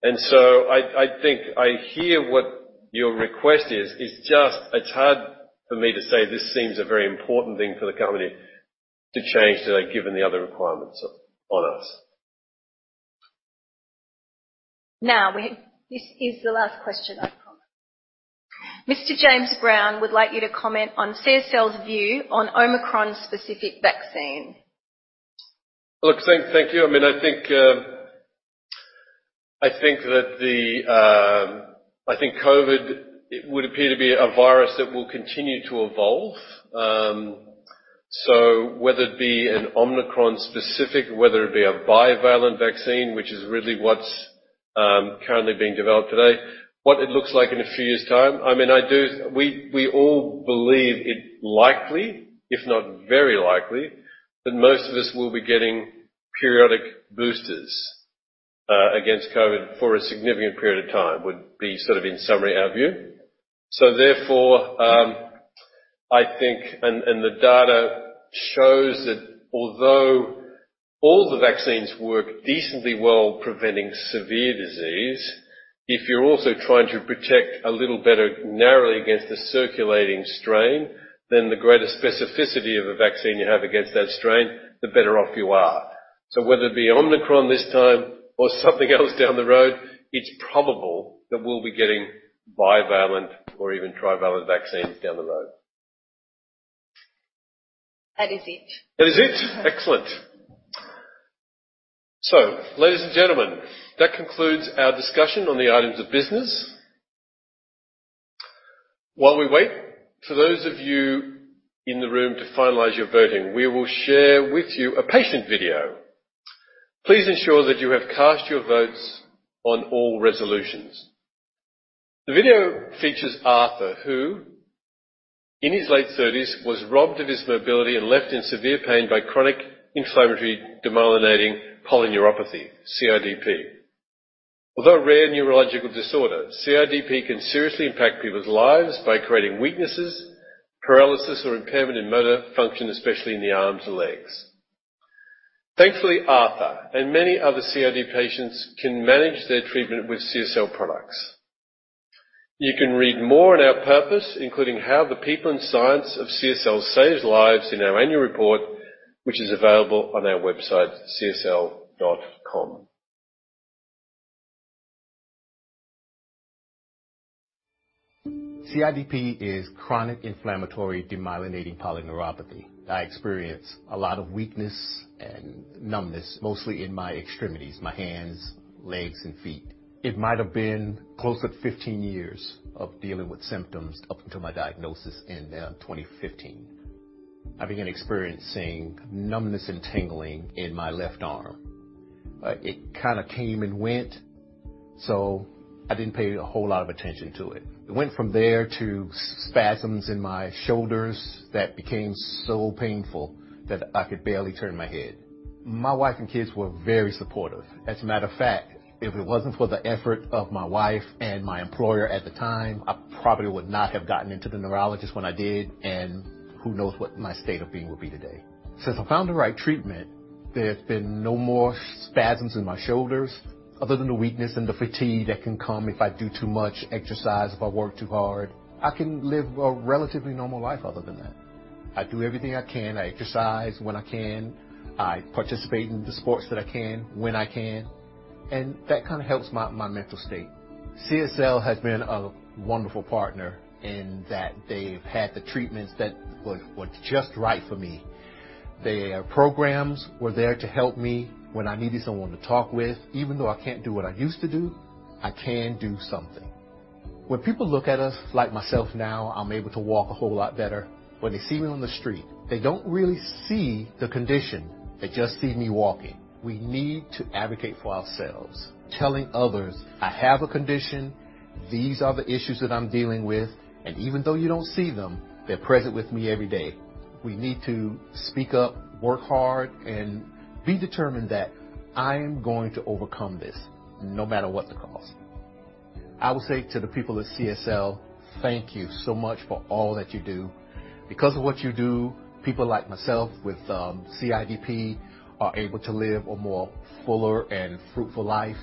I think I hear what your request is. It's just, it's hard for me to say this seems a very important thing for the company to change, though, given the other requirements on us. Now, this is the last question, I promise. Mr. James Brown would like you to comment on CSL's view on Omicron-specific vaccine. Look, thank you. I mean, I think that COVID it would appear to be a virus that will continue to evolve. Whether it be an Omicron-specific, whether it be a bivalent vaccine, which is really what's currently being developed today. What it looks like in a few years' time, I mean, we all believe it likely, if not very likely, that most of us will be getting periodic boosters against COVID for a significant period of time, would be sort of, in summary, our view. Therefore, I think, and the data shows that although all the vaccines work decently well preventing severe disease. If you're also trying to protect a little better narrowly against the circulating strain, then the greater specificity of a vaccine you have against that strain, the better off you are. Whether it be Omicron this time or something else down the road, it's probable that we'll be getting bivalent or even trivalent vaccines down the road. That is it. That is it. Excellent. Ladies and gentlemen, that concludes our discussion on the items of business. While we wait for those of you in the room to finalize your voting, we will share with you a patient video. Please ensure that you have cast your votes on all resolutions. The video features Arthur, who in his late thirties was robbed of his mobility and left in severe pain by chronic inflammatory demyelinating polyneuropathy, CIDP. Although a rare neurological disorder, CIDP can seriously impact people's lives by creating weaknesses, paralysis, or impairment in motor function, especially in the arms or legs. Thankfully, Arthur and many other CIDP patients can manage their treatment with CSL products. You can read more on our purpose, including how the people and science of CSL saves lives in our annual report, which is available on our website, csl.com. CIDP is chronic inflammatory demyelinating polyneuropathy. I experience a lot of weakness and numbness, mostly in my extremities, my hands, legs, and feet. It might have been close to 15 years of dealing with symptoms up until my diagnosis in 2015. I began experiencing numbness and tingling in my left arm. It kinda came and went, so I didn't pay a whole lot of attention to it. It went from there to spasms in my shoulders that became so painful that I could barely turn my head. My wife and kids were very supportive. As a matter of fact, if it wasn't for the effort of my wife and my employer at the time, I probably would not have gotten into the neurologist when I did, and who knows what my state of being would be today. Since I found the right treatment, there have been no more spasms in my shoulders other than the weakness and the fatigue that can come if I do too much exercise, if I work too hard. I can live a relatively normal life other than that. I do everything I can. I exercise when I can. I participate in the sports that I can when I can, and that kinda helps my mental state. CSL has been a wonderful partner in that they've had the treatments that were just right for me. Their programs were there to help me when I needed someone to talk with. Even though I can't do what I used to do, I can do something. When people look at us like myself now, I'm able to walk a whole lot better. When they see me on the street, they don't really see the condition. They just see me walking. We need to advocate for ourselves, telling others, "I have a condition. These are the issues that I'm dealing with, and even though you don't see them, they're present with me every day." We need to speak up, work hard, and be determined that I am going to overcome this no matter what the cost. I would say to the people at CSL, thank you so much for all that you do. Because of what you do, people like myself with CIDP are able to live a more fuller and fruitful life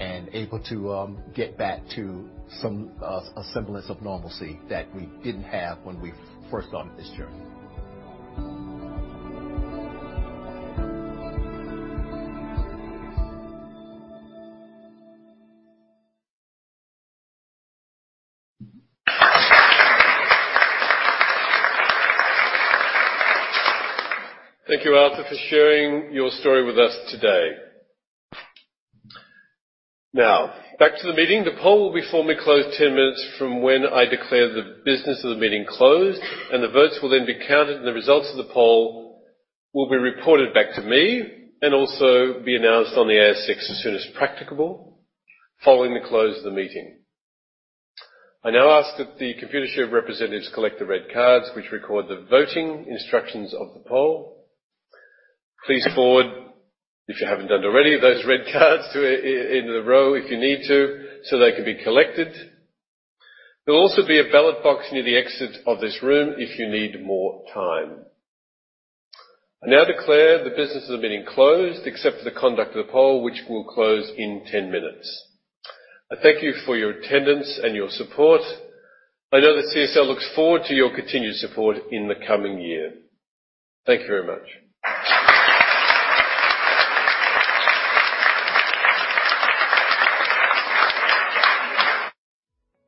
and able to get back to some a semblance of normalcy that we didn't have when we first on this journey. Thank you, Arthur, for sharing your story with us today. Now back to the meeting. The poll will be formally closed 10 minutes from when I declare the business of the meeting closed, and the votes will then be counted, and the results of the poll will be reported back to me and also be announced on the ASX as soon as practicable following the close of the meeting. I now ask that the Computershare representatives collect the red cards which record the voting instructions of the poll. Please forward, if you haven't done already, those red cards to in the row if you need to, so they can be collected. There'll be a ballot box near the exit of this room if you need more time. I now declare the business of the meeting closed except for the conduct of the poll, which will close in 10 minutes. I thank you for your attendance and your support. I know that CSL looks forward to your continued support in the coming year. Thank you very much.